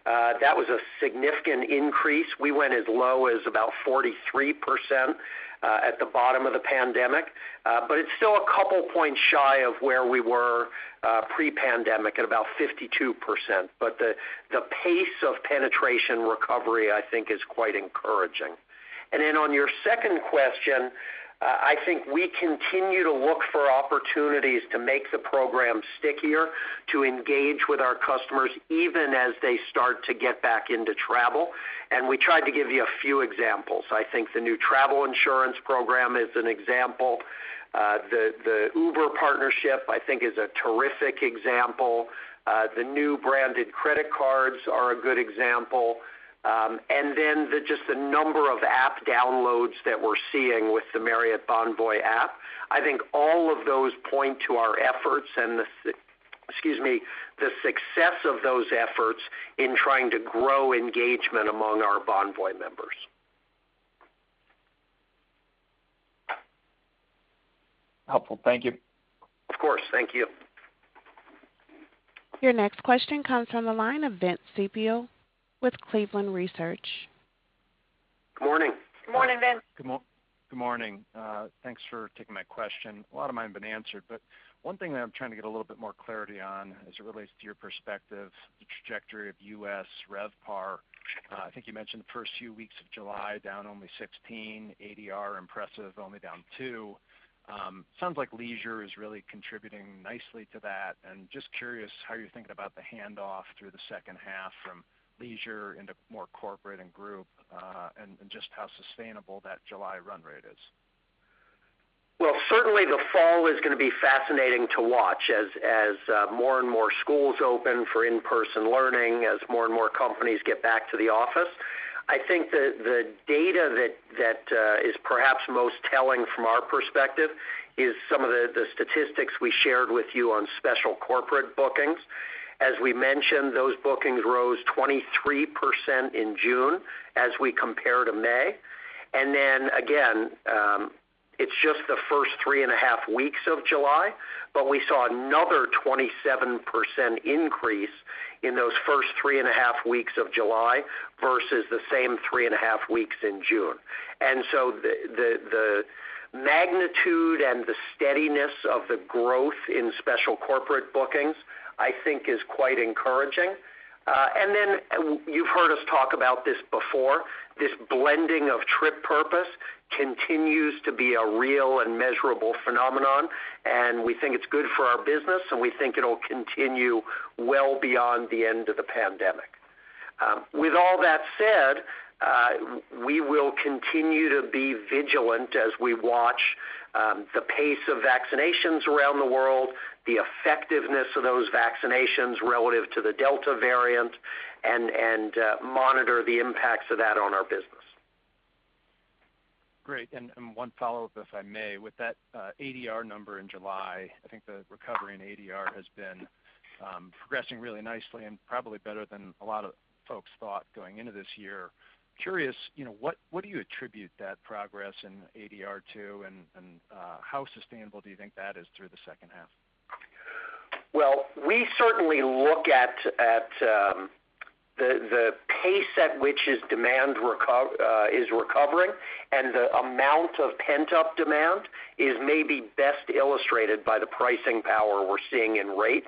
That was a significant increase. We went as low as about 43% at the bottom of the pandemic. It's still a couple points shy of where we were pre-pandemic at about 52%. The pace of penetration recovery, I think, is quite encouraging. On your second question, I think we continue to look for opportunities to make the program stickier, to engage with our customers even as they start to get back into travel. We tried to give you a few examples. I think the new travel insurance program is an example. The Uber partnership, I think, is a terrific example. The new branded credit cards are a good example. Just the number of app downloads that we're seeing with the Marriott Bonvoy app. I think all of those point to our efforts and the success of those efforts in trying to grow engagement among our Bonvoy members. Helpful. Thank you. Of course. Thank you. Your next question comes from the line of Vince Ciepiel with Cleveland Research. Good morning. Good morning, Vince. Good morning. Thanks for taking my question. A lot of mine have been answered, but one thing that I'm trying to get a little bit more clarity on as it relates to your perspective, the trajectory of U.S. RevPAR. I think you mentioned the first few weeks of July down only 16%, ADR impressive, only down 2%. Sounds like leisure is really contributing nicely to that. Just curious how you're thinking about the handoff through the second half from leisure into more corporate and group, and just how sustainable that July run rate is. Well, certainly the fall is going to be fascinating to watch as more and more schools open for in-person learning, as more and more companies get back to the office. I think that the data that is perhaps most telling from our perspective is some of the statistics we shared with you on special corporate bookings. As we mentioned, those bookings rose 23% in June as we compare to May. Then, again, it's just the first three and a half weeks of July, but we saw another 27% increase in those first three and a half weeks of July versus the same three and a half weeks in June. So the magnitude and the steadiness of the growth in special corporate bookings, I think is quite encouraging. You've heard us talk about this before, this blending of trip purpose continues to be a real and measurable phenomenon, and we think it's good for our business, and we think it'll continue well beyond the end of the pandemic. With all that said, we will continue to be vigilant as we watch the pace of vaccinations around the world, the effectiveness of those vaccinations relative to the Delta variant, and monitor the impacts of that on our business. Great. One follow-up, if I may. With that ADR number in July, I think the recovery in ADR has been progressing really nicely and probably better than a lot of folks thought going into this year. Curious, what do you attribute that progress in ADR to, and how sustainable do you think that is through the second half? Well, we certainly look at the pace at which its demand is recovering and the amount of pent-up demand is maybe best illustrated by the pricing power we're seeing in rate.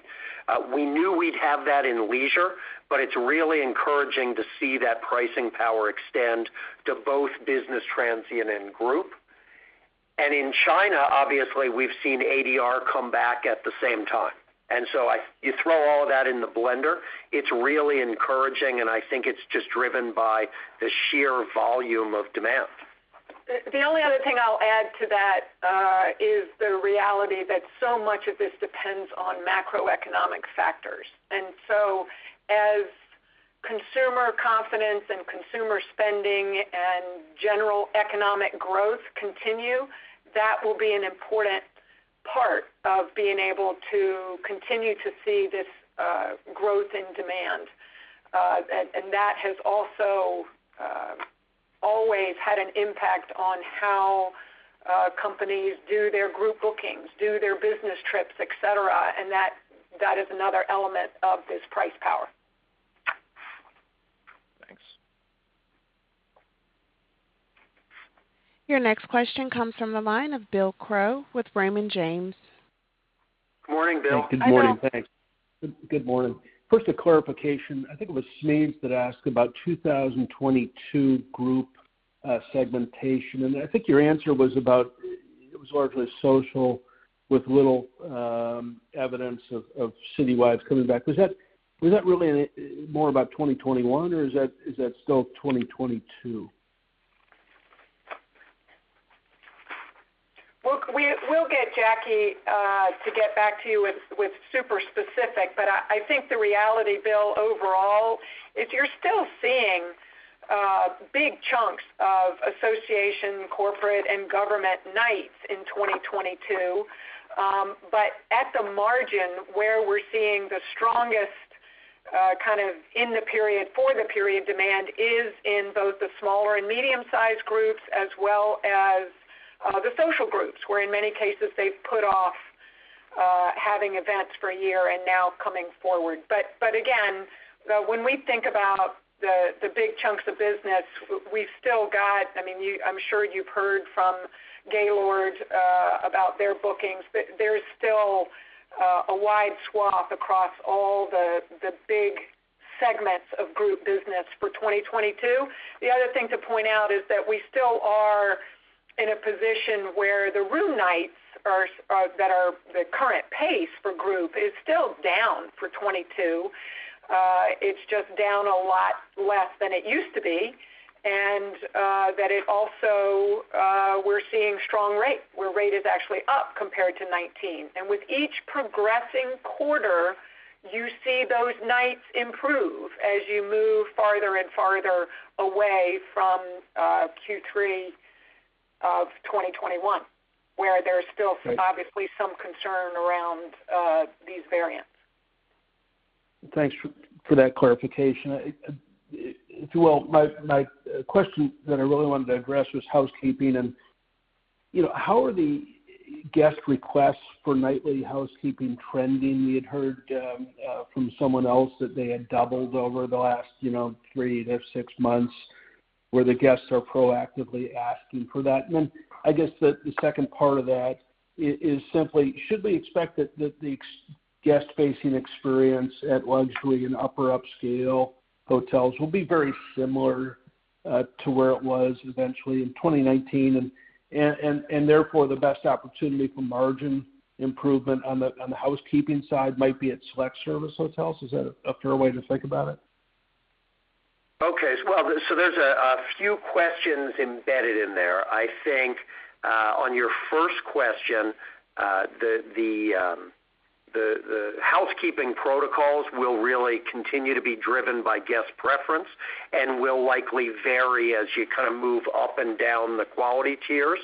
We knew we'd have that in leisure, but it's really encouraging to see that pricing power extend to both business transient and group. In China, obviously, we've seen ADR come back at the same time. You throw all of that in the blender, it's really encouraging, and I think it's just driven by the sheer volume of demand. The only other thing I'll add to that is the reality that so much of this depends on macroeconomic factors. As consumer confidence and consumer spending and general economic growth continue, that will be an important part of being able to continue to see this growth in demand. That has also always had an impact on how companies do their group bookings, do their business trips, et cetera, and that is another element of this price power. Thanks. Your next question comes from the line of Bill Crow with Raymond James. Morning, Bill. Hi, Bill. Good morning. Thanks. Good morning. First, a clarification. I think it was Smedes Rose that asked about 2022 group segmentation, and I think your answer was about, it was largely social with little evidence of city-wide coming back. Was that really more about 2021, or is that still 2022? Look, we'll get Jackie to get back to you with super specific. I think the reality, Bill, overall, is you're still seeing big chunks of association, corporate, and government nights in 2022. At the margin where we're seeing the strongest kind of in the period, for the period demand is in both the smaller and medium-sized groups, as well as the social groups, where in many cases, they've put off having events for a year and now coming forward. Again, when we think about the big chunks of business, we've still got I'm sure you've heard from Gaylord about their bookings. There is still a wide swath across all the big segments of group business for 2022. The other thing to point out is that we still are in a position where the room nights that are the current pace for group is still down for 2022. It's just down a lot less than it used to be, that it also, we're seeing strong rate, where rate is actually up compared to 2019. With each progressing quarter, you see those nights improve as you move farther and farther away from Q3 of 2021, where there's still obviously some concern around these variants. Thanks for that clarification. Well, my question that I really wanted to address was housekeeping, and how are the guest requests for nightly housekeeping trending? We had heard from someone else that they had doubled over the last three to six months, where the guests are proactively asking for that. Then I guess the second part of that is simply, should we expect that the guest-facing experience at luxury and upper upscale hotels will be very similar to where it was eventually in 2019, and therefore the best opportunity for margin improvement on the housekeeping side might be at select service hotels? Is that a fair way to think about it? Okay. Well, there's a few questions embedded in there. I think on your first question, the housekeeping protocols will really continue to be driven by guest preference and will likely vary as you kind of move up and down the quality tiers.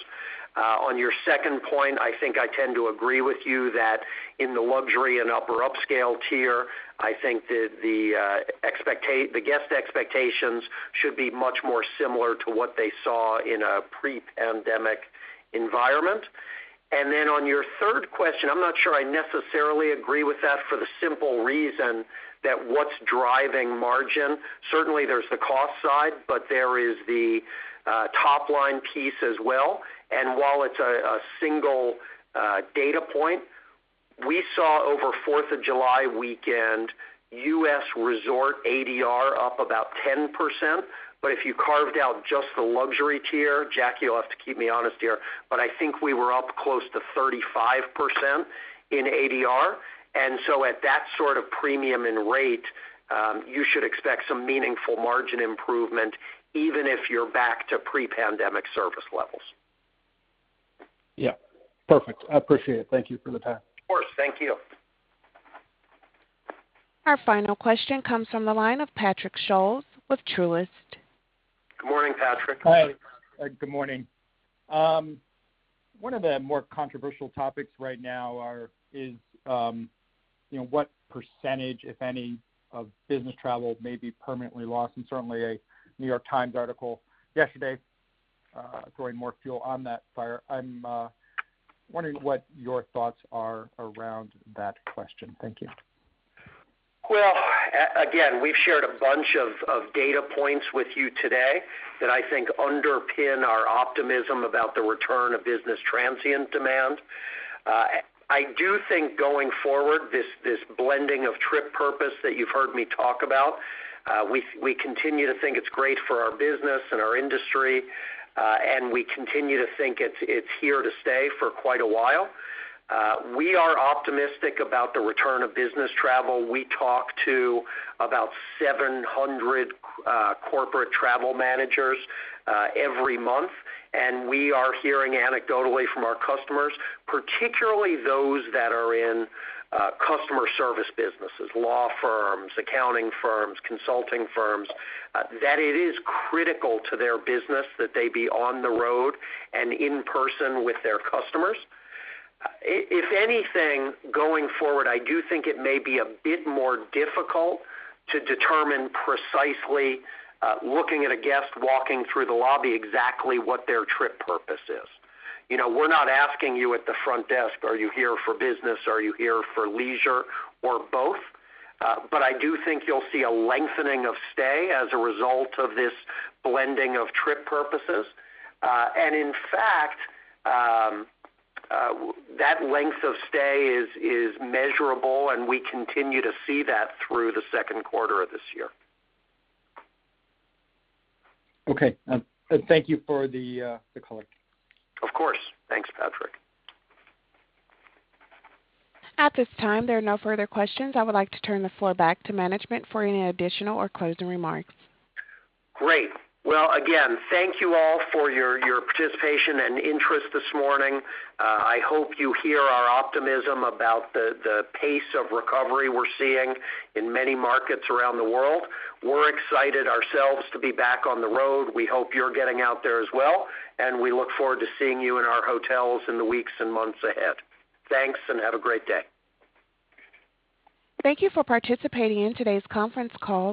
On your second point, I think I tend to agree with you that in the luxury and upper upscale tier, I think that the guest expectations should be much more similar to what they saw in a pre-pandemic environment. On your third question, I'm not sure I necessarily agree with that for the simple reason that what's driving margin, certainly there's the cost side, but there is the top-line piece as well. While it's a single data point, we saw over Fourth of July weekend, U.S. resort ADR up about 10%, but if you carved out just the luxury tier, Jackie will have to keep me honest here, but I think we were up close to 35% in ADR. At that sort of premium in rate, you should expect some meaningful margin improvement, even if you're back to pre-pandemic service levels. Yeah. Perfect. I appreciate it. Thank you for the time. Of course. Thank you. Our final question comes from the line of Patrick Scholes with Truist. Good morning, Patrick. Hi. Good morning. One of the more controversial topics right now is what percentage, if any, of business travel may be permanently lost, and certainly a New York Times article yesterday throwing more fuel on that fire. I'm wondering what your thoughts are around that question. Thank you. Again, we've shared a bunch of data points with you today that I think underpin our optimism about the return of business transient demand. I do think going forward, this blending of trip purpose that you've heard me talk about, we continue to think it's great for our business and our industry, and we continue to think it's here to stay for quite a while. We are optimistic about the return of business travel. We talk to about 700 corporate travel managers every month, and we are hearing anecdotally from our customers, particularly those that are in customer service businesses, law firms, accounting firms, consulting firms, that it is critical to their business that they be on the road and in person with their customers. If anything, going forward, I do think it may be a bit more difficult to determine precisely, looking at a guest walking through the lobby, exactly what their trip purpose is. We're not asking you at the front desk, "Are you here for business? Are you here for leisure or both?" I do think you'll see a lengthening of stay as a result of this blending of trip purposes. In fact, that length of stay is measurable, and we continue to see that through the second quarter of this year. Okay. Thank you for the color. Of course. Thanks, Patrick. At this time, there are no further questions. I would like to turn the floor back to management for any additional or closing remarks. Great. Well, again, thank you all for your participation and interest this morning. I hope you hear our optimism about the pace of recovery we're seeing in many markets around the world. We're excited ourselves to be back on the road. We hope you're getting out there as well. We look forward to seeing you in our hotels in the weeks and months ahead. Thanks. Have a great day. Thank you for participating in today's conference call.